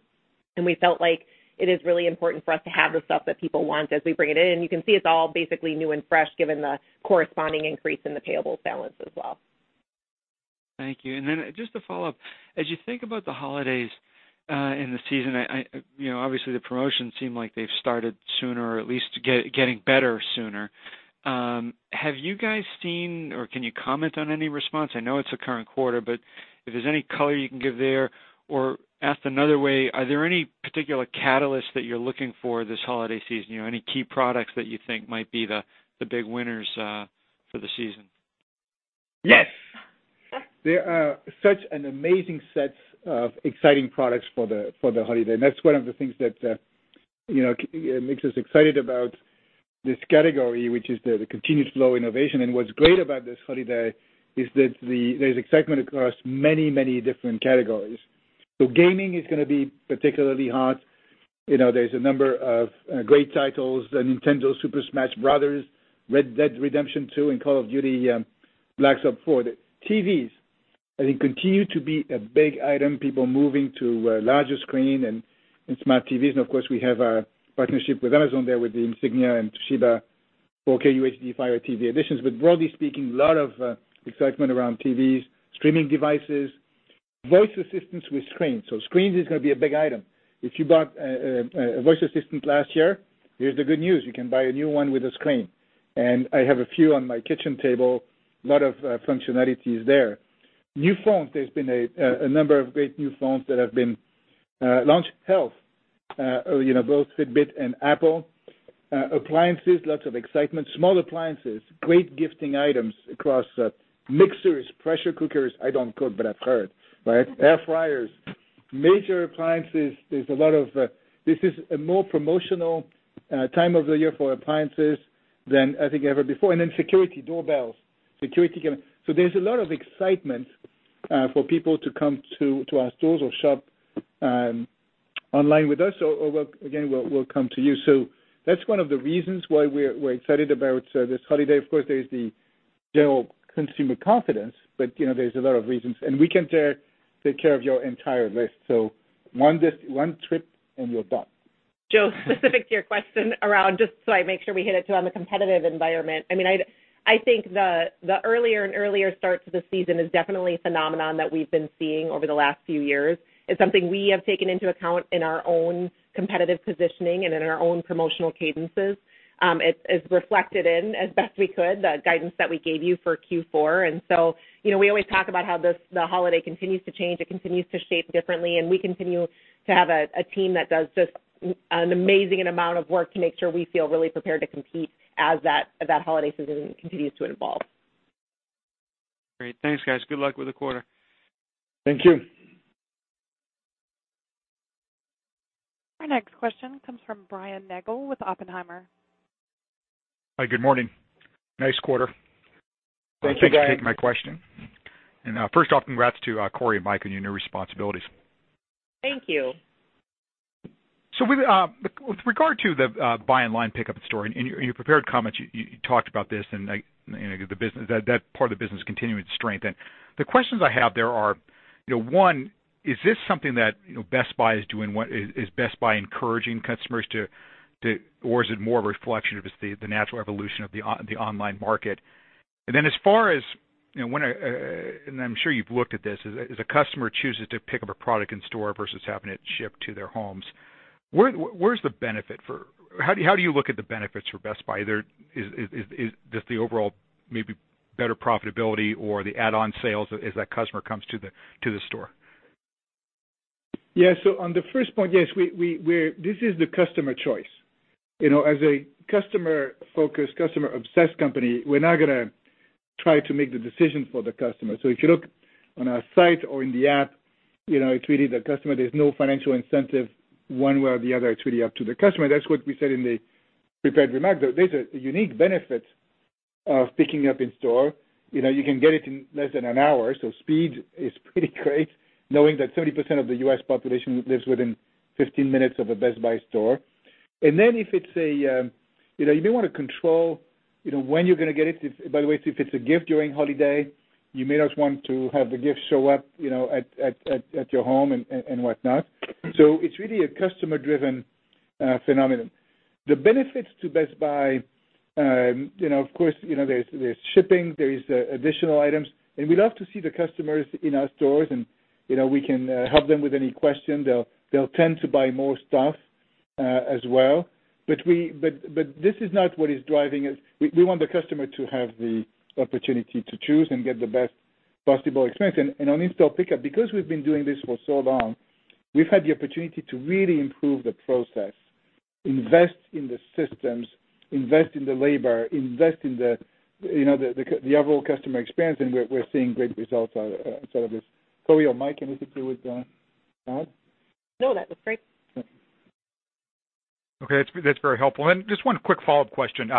Speaker 4: and we felt like it is really important for us to have the stuff that people want as we bring it in. You can see it's all basically new and fresh, given the corresponding increase in the payable balance as well.
Speaker 8: Thank you. Just to follow up, as you think about the holidays and the season, obviously the promotions seem like they've started sooner or at least getting better sooner. Have you guys seen, or can you comment on any response? I know it's the current quarter, but if there's any color you can give there, or asked another way, are there any particular catalysts that you're looking for this holiday season? Any key products that you think might be the big winners for the season?
Speaker 3: Yes. There are such an amazing set of exciting products for the holiday. That's one of the things that makes us excited about this category, which is the continuous flow innovation. What's great about this holiday is that there's excitement across many different categories. Gaming is going to be particularly hot. There's a number of great titles, the Nintendo Super Smash Bros., Red Dead Redemption 2, and Call of Duty: Black Ops 4. TVs, I think, continue to be a big item, people moving to a larger screen and smart TVs. Of course, we have our partnership with Amazon there with the Insignia and Toshiba 4K UHD Fire TV editions. Broadly speaking, a lot of excitement around TVs, streaming devices, voice assistants with screens. Screens is going to be a big item. If you bought a voice assistant last year, here's the good news, you can buy a new one with a screen. I have a few on my kitchen table. A lot of functionality is there. New phones. There's been a number of great new phones that have been launched. Health, both Fitbit and Apple. Appliances, lots of excitement. Small appliances, great gifting items across mixers, pressure cookers. I don't cook, but I've heard. Air fryers. Major appliances, this is a more promotional time of the year for appliances than I think ever before. Security doorbells. Security cameras. There's a lot of excitement for people to come to our stores or shop online with us or, again, we'll come to you. That's one of the reasons why we're excited about this holiday. Of course, there is the general consumer confidence, but there's a lot of reasons. We can take care of your entire list. One trip and you're done.
Speaker 4: Jose, specific to your question around, just so I make sure we hit it too on the competitive environment. I think the earlier and earlier starts of the season is definitely a phenomenon that we've been seeing over the last few years. It's something we have taken into account in our own competitive positioning and in our own promotional cadences. It's reflected in, as best we could, the guidance that we gave you for Q4. We always talk about how the holiday continues to change, it continues to shape differently, and we continue to have a team that does just an amazing amount of work to make sure we feel really prepared to compete as that holiday season continues to evolve.
Speaker 8: Great. Thanks, guys. Good luck with the quarter.
Speaker 3: Thank you.
Speaker 1: Our next question comes from Brian Nagel with Oppenheimer.
Speaker 9: Hi, good morning. Nice quarter.
Speaker 3: Thank you, guys.
Speaker 9: Thanks for taking my question. First off, congrats to Corie and Mike on your new responsibilities.
Speaker 4: Thank you.
Speaker 9: With regard to the buy online, pick up in store, in your prepared comments, you talked about this and that part of the business continuing to strengthen. The questions I have there are, 1, is this something that Best Buy is doing? Is Best Buy encouraging customers to Or is it more of a reflection of the natural evolution of the online market? I'm sure you've looked at this, as a customer chooses to pick up a product in store versus having it shipped to their homes, where's the benefit? How do you look at the benefits for Best Buy? Is just the overall maybe better profitability or the add-on sales as that customer comes to the store?
Speaker 3: Yeah. On the first point, yes, this is the customer choice. As a customer-focused, customer-obsessed company, we're not going to try to make the decision for the customer. If you look on our site or in the app, it's really the customer. There's no financial incentive one way or the other. It's really up to the customer. That's what we said in the prepared remarks, though there's a unique benefit of picking up in store. You can get it in less than an hour, speed is pretty great, knowing that 30% of the U.S. population lives within 15 minutes of a Best Buy store. If you want to control when you're going to get it, by the way, if it's a gift during holiday, you may not want to have the gift show up at your home and whatnot. It's really a customer-driven phenomenon. The benefits to Best Buy, of course, there's shipping, there's additional items, and we love to see the customers in our stores, and we can help them with any question. They'll tend to buy more stuff, as well. This is not what is driving us. We want the customer to have the opportunity to choose and get the best possible experience. On in-store pickup, because we've been doing this for so long, we've had the opportunity to really improve the process, invest in the systems, invest in the labor, invest in the overall customer experience, and we're seeing great results out of this. Corie or Mike, anything to add?
Speaker 4: No, that was great.
Speaker 9: Okay. That's very helpful. Just one quick follow-up question.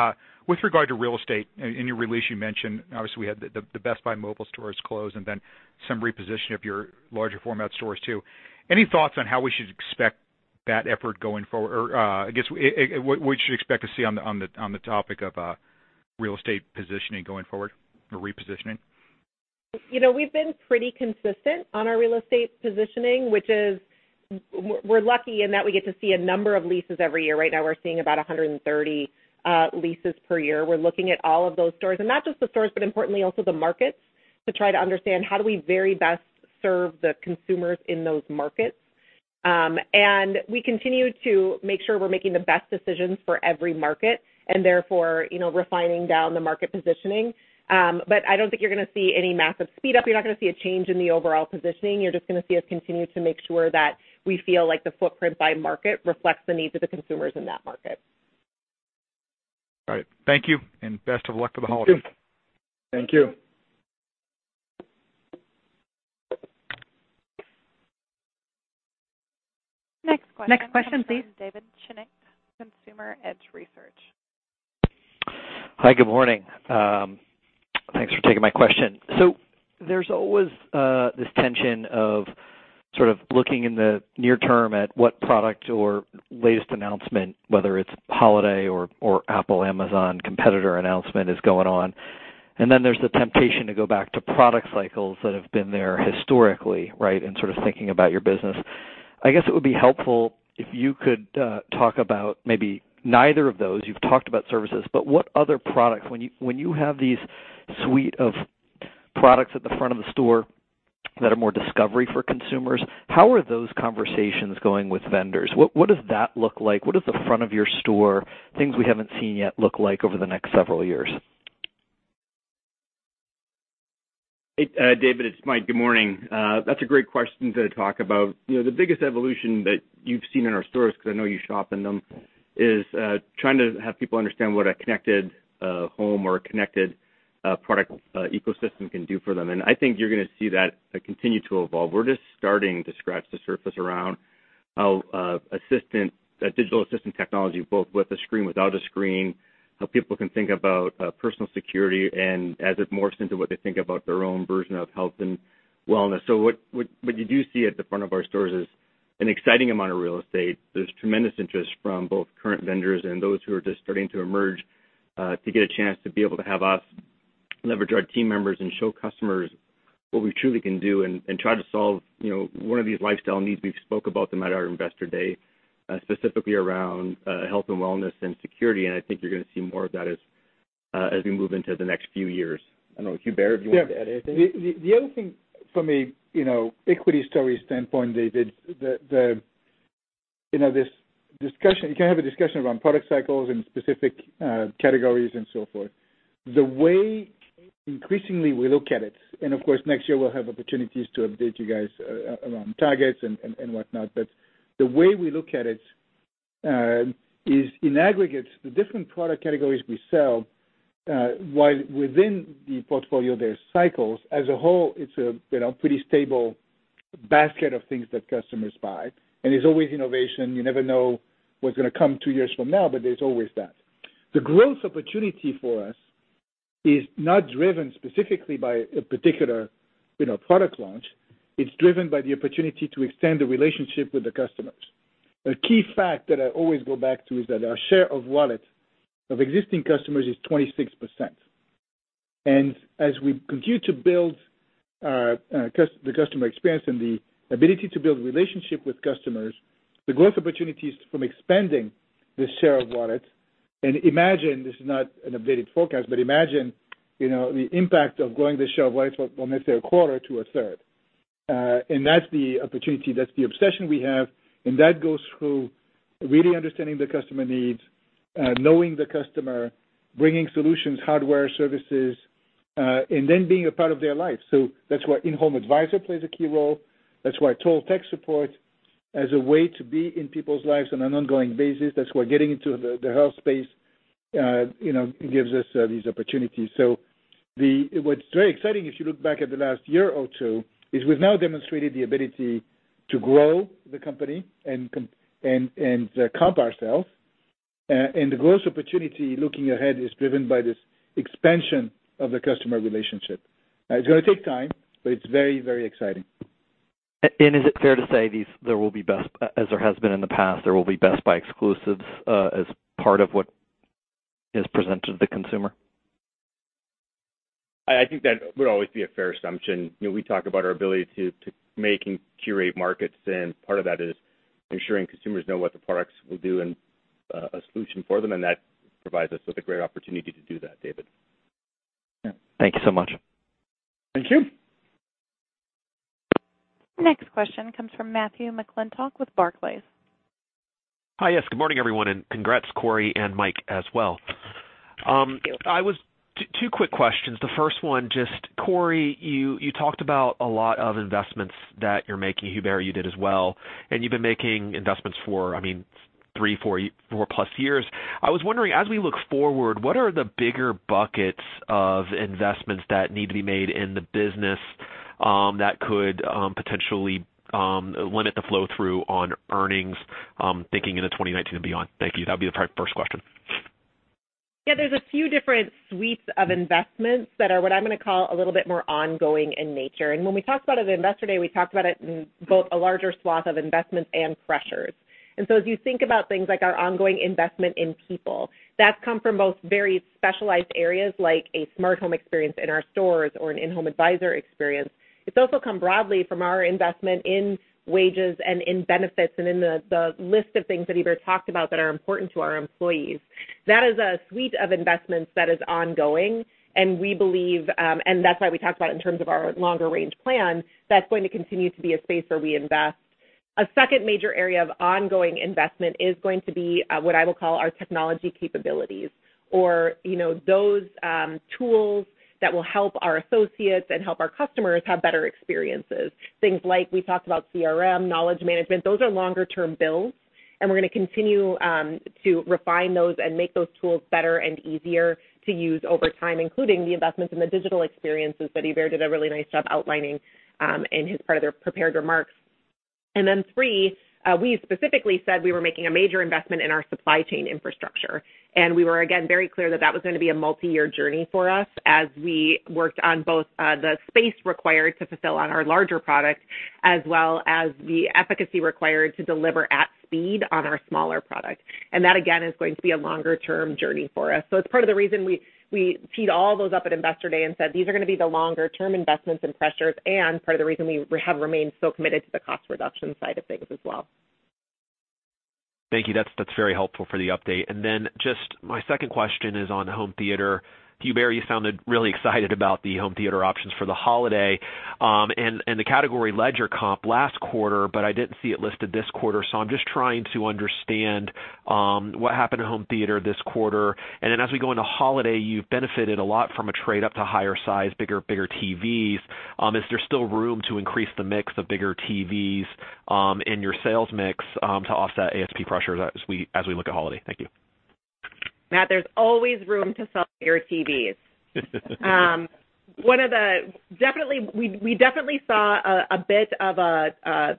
Speaker 9: With regard to real estate, in your release, you mentioned, obviously we had the Best Buy Mobile stores close then some reposition of your larger format stores, too. Any thoughts on how we should expect that effort going forward, or, I guess, what should we expect to see on the topic of real estate positioning going forward or repositioning?
Speaker 4: We've been pretty consistent on our real estate positioning, which is we're lucky in that we get to see a number of leases every year. Right now we're seeing about 130 leases per year. We're looking at all of those stores, not just the stores, but importantly also the markets to try to understand how do we very best serve the consumers in those markets. We continue to make sure we're making the best decisions for every market and therefore refining down the market positioning. I don't think you're going to see any massive speed up. You're not going to see a change in the overall positioning. You're just going to see us continue to make sure that we feel like the footprint by market reflects the needs of the consumers in that market.
Speaker 9: All right. Thank you, and best of luck for the holidays.
Speaker 3: Thank you.
Speaker 2: Next question. Next question, please. David Schick, Consumer Edge Research.
Speaker 10: Hi. Good morning. Thanks for taking my question. There's always this tension of sort of looking in the near term at what product or latest announcement, whether it's holiday or Apple, Amazon competitor announcement is going on. Then there's the temptation to go back to product cycles that have been there historically, right, in sort of thinking about your business. I guess it would be helpful if you could talk about maybe neither of those. You've talked about services, but what other products, when you have these suite of products at the front of the store that are more discovery for consumers, how are those conversations going with vendors? What does that look like? What does the front of your store, things we haven't seen yet, look like over the next several years?
Speaker 7: Hey, David, it's Mike. Good morning. That's a great question to talk about. The biggest evolution that you've seen in our stores, because I know you shop in them, is trying to have people understand what a connected home or a connected product ecosystem can do for them. I think you're going to see that continue to evolve. We're just starting to scratch the surface around how assistant, that digital assistant technology, both with a screen, without a screen, how people can think about personal security and as it morphs into what they think about their own version of health and wellness. What you do see at the front of our stores is an exciting amount of real estate. There's tremendous interest from both current vendors and those who are just starting to emerge, to get a chance to be able to have us leverage our team members and show customers what we truly can do and try to solve one of these lifestyle needs. We spoke about them at our Investor Day, specifically around health and wellness and security. I think you're going to see more of that as we move into the next few years. I don't know, Hubert, if you want to add anything.
Speaker 3: The other thing for me, equity story standpoint, David, you can have a discussion around product cycles and specific categories and so forth. The way increasingly we look at it, of course, next year we'll have opportunities to update you guys around targets and whatnot, the way we look at it is in aggregate, the different product categories we sell, while within the portfolio, there's cycles, as a whole, it's a pretty stable basket of things that customers buy. There's always innovation. You never know what's going to come two years from now, but there's always that. The growth opportunity for us is not driven specifically by a particular product launch. It's driven by the opportunity to extend the relationship with the customers. A key fact that I always go back to is that our share of wallet of existing customers is 26%. As we continue to build the customer experience and the ability to build relationship with customers, the growth opportunities from expanding this share of wallet. This is not an updated forecast, but imagine the impact of growing the share of wallet from, let's say, a quarter to a third. That's the opportunity, that's the obsession we have, and that goes through really understanding the customer needs, knowing the customer, bringing solutions, hardware, services, and then being a part of their life. That's why In-Home Advisor plays a key role. That's why Total Tech Support as a way to be in people's lives on an ongoing basis. That's why getting into the health space gives us these opportunities. What's very exciting, if you look back at the last year or two, is we've now demonstrated the ability to grow the company and comp ourselves. The growth opportunity looking ahead is driven by this expansion of the customer relationship. It's going to take time, but it's very, very exciting.
Speaker 10: Is it fair to say, as there has been in the past, there will be Best Buy exclusives as part of what is presented to the consumer?
Speaker 7: I think that would always be a fair assumption. We talk about our ability to make and curate markets. Part of that is ensuring consumers know what the products will do and a solution for them. That provides us with a great opportunity to do that, David.
Speaker 10: Yeah. Thank you so much.
Speaker 3: Thank you.
Speaker 1: Next question comes from Matthew McClintock with Barclays.
Speaker 11: Hi. Yes, good morning, everyone, and congrats, Corie and Mike as well. Two quick questions. The first one, just Corie, you talked about a lot of investments that you're making. Hubert, you did as well, and you've been making investments for three, four plus years. I was wondering, as we look forward, what are the bigger buckets of investments that need to be made in the business that could potentially limit the flow through on earnings, thinking into 2019 and beyond? Thank you. That'd be the first question.
Speaker 4: Yeah, there's a few different suites of investments that are what I'm going to call a little bit more ongoing in nature. When we talked about it at Investor Day, we talked about it in both a larger swath of investments and pressures. As you think about things like our ongoing investment in people, that's come from both very specialized areas like a smart home experience in our stores or an In-Home Advisor experience. It's also come broadly from our investment in wages and in benefits and in the list of things that Hubert talked about that are important to our employees. That is a suite of investments that is ongoing, and that's why we talked about in terms of our longer range plan, that's going to continue to be a space where we invest. A second major area of ongoing investment is going to be what I will call our technology capabilities, or those tools that will help our associates and help our customers have better experiences. Things like we talked about CRM, knowledge management. Those are longer term builds, and we're going to continue to refine those and make those tools better and easier to use over time, including the investments in the digital experiences that Hubert did a really nice job outlining in his part of their prepared remarks. Then three, we specifically said we were making a major investment in our supply chain infrastructure. We were, again, very clear that was going to be a multi-year journey for us as we worked on both the space required to fulfill on our larger products, as well as the efficacy required to deliver at speed on our smaller products. That, again, is going to be a longer-term journey for us. It's part of the reason we teed all those up at Investor Day and said these are going to be the longer-term investments and pressures and part of the reason we have remained so committed to the cost reduction side of things as well.
Speaker 11: Thank you. That's very helpful for the update. Just my second question is on home theater. Hubert, you sounded really excited about the home theater options for the holiday, and the category ledger comp last quarter, but I didn't see it listed this quarter. I'm just trying to understand what happened to home theater this quarter. As we go into holiday, you've benefited a lot from a trade up to higher size, bigger TVs. Is there still room to increase the mix of bigger TVs in your sales mix to offset ASP pressures as we look at holiday? Thank you.
Speaker 4: Matt, there's always room to sell bigger TVs. We definitely saw a bit of a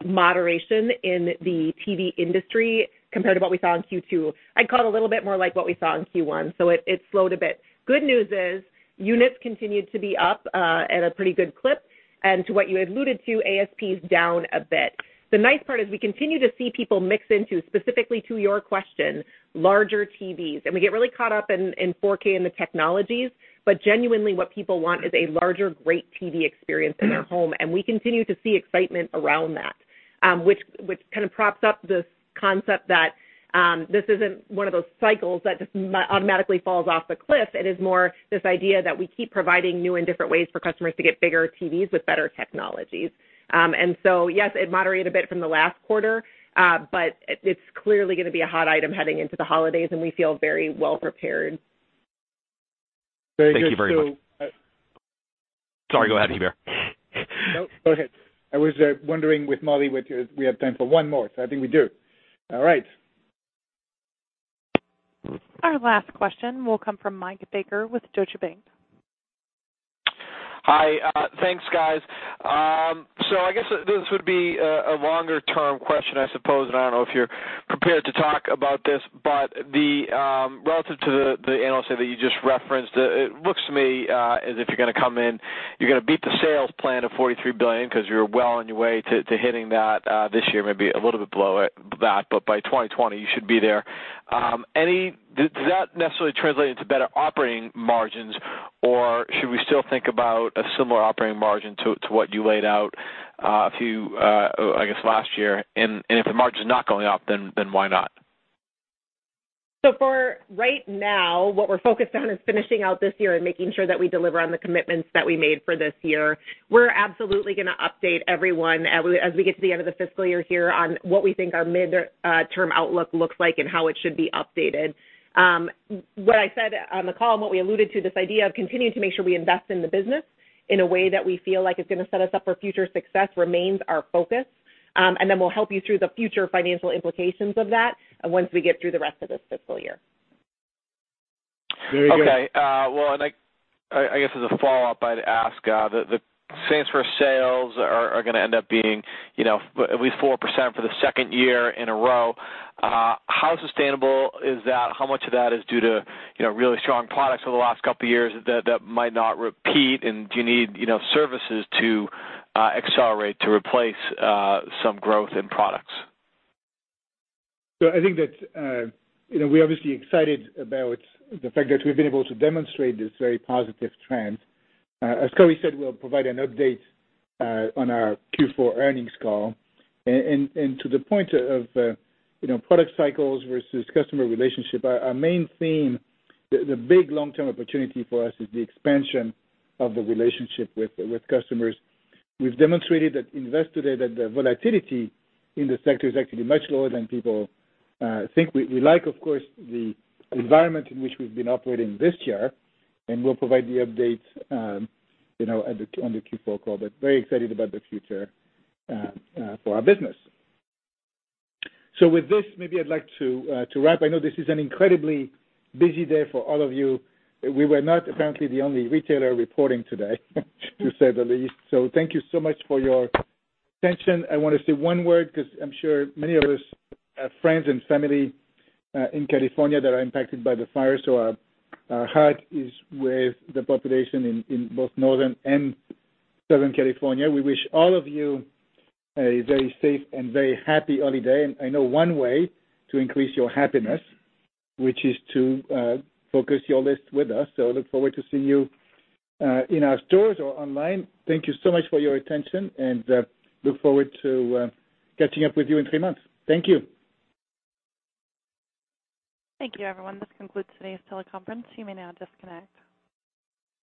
Speaker 4: moderation in the TV industry compared to what we saw in Q2. I'd call it a little bit more like what we saw in Q1. It slowed a bit. Good news is units continued to be up at a pretty good clip. To what you alluded to, ASP is down a bit. The nice part is we continue to see people mix into, specifically to your question, larger TVs. We get really caught up in 4K and the technologies. Genuinely what people want is a larger great TV experience in their home. We continue to see excitement around that, which kind of props up this concept that this isn't one of those cycles that just automatically falls off a cliff. It is more this idea that we keep providing new and different ways for customers to get bigger TVs with better technologies. Yes, it moderated a bit from the last quarter, but it's clearly going to be a hot item heading into the holidays, and we feel very well prepared.
Speaker 11: Thank you very much.
Speaker 3: Thank you.
Speaker 11: Sorry, go ahead, Hubert.
Speaker 3: No, go ahead. I was wondering with Mollie, we have time for one more, so I think we do. All right.
Speaker 1: Our last question will come from Mike Baker with Deutsche Bank.
Speaker 12: Hi. Thanks, guys. I guess this would be a longer-term question, I suppose, I don't know if you're prepared to talk about this, but relative to the analysis that you just referenced, it looks to me as if you're going to come in, you're going to beat the sales plan of $43 billion because you're well on your way to hitting that this year, maybe a little bit below that, but by 2020, you should be there. Does that necessarily translate into better operating margins, or should we still think about a similar operating margin to what you laid out, I guess, last year? If the margin is not going up, then why not?
Speaker 4: For right now, what we are focused on is finishing out this year and making sure that we deliver on the commitments that we made for this year. We are absolutely going to update everyone as we get to the end of the fiscal year here on what we think our midterm outlook looks like and how it should be updated. What I said on the call and what we alluded to, this idea of continuing to make sure we invest in the business in a way that we feel like is going to set us up for future success remains our focus. Then we will help you through the future financial implications of that once we get through the rest of this fiscal year.
Speaker 12: Very good. Okay. I guess as a follow-up, I would ask, the same store sales are going to end up being at least 4% for the second year in a row. How sustainable is that? How much of that is due to really strong products over the last couple of years that might not repeat? Do you need services to accelerate to replace some growth in products?
Speaker 3: I think that we are obviously excited about the fact that we have been able to demonstrate this very positive trend. As Corie said, we will provide an update on our Q4 earnings call. To the point of product cycles versus customer relationship, our main theme, the big long-term opportunity for us is the expansion of the relationship with customers. We have demonstrated that, invested that the volatility in the sector is actually much lower than people think. We like, of course, the environment in which we have been operating this year, and we will provide the updates on the Q4 call, very excited about the future for our business. With this, maybe I would like to wrap. I know this is an incredibly busy day for all of you. We were not apparently the only retailer reporting today to say the least. Thank you so much for your attention. I want to say one word, because I am sure many of us have friends and family in California that are impacted by the fires. Our heart is with the population in both Northern and Southern California. We wish all of you a very safe and very happy holiday. I know one way to increase your happiness, which is to focus your list with us. Look forward to seeing you in our stores or online. Thank you so much for your attention, look forward to catching up with you in three months. Thank you.
Speaker 1: Thank you, everyone. This concludes today's teleconference. You may now disconnect.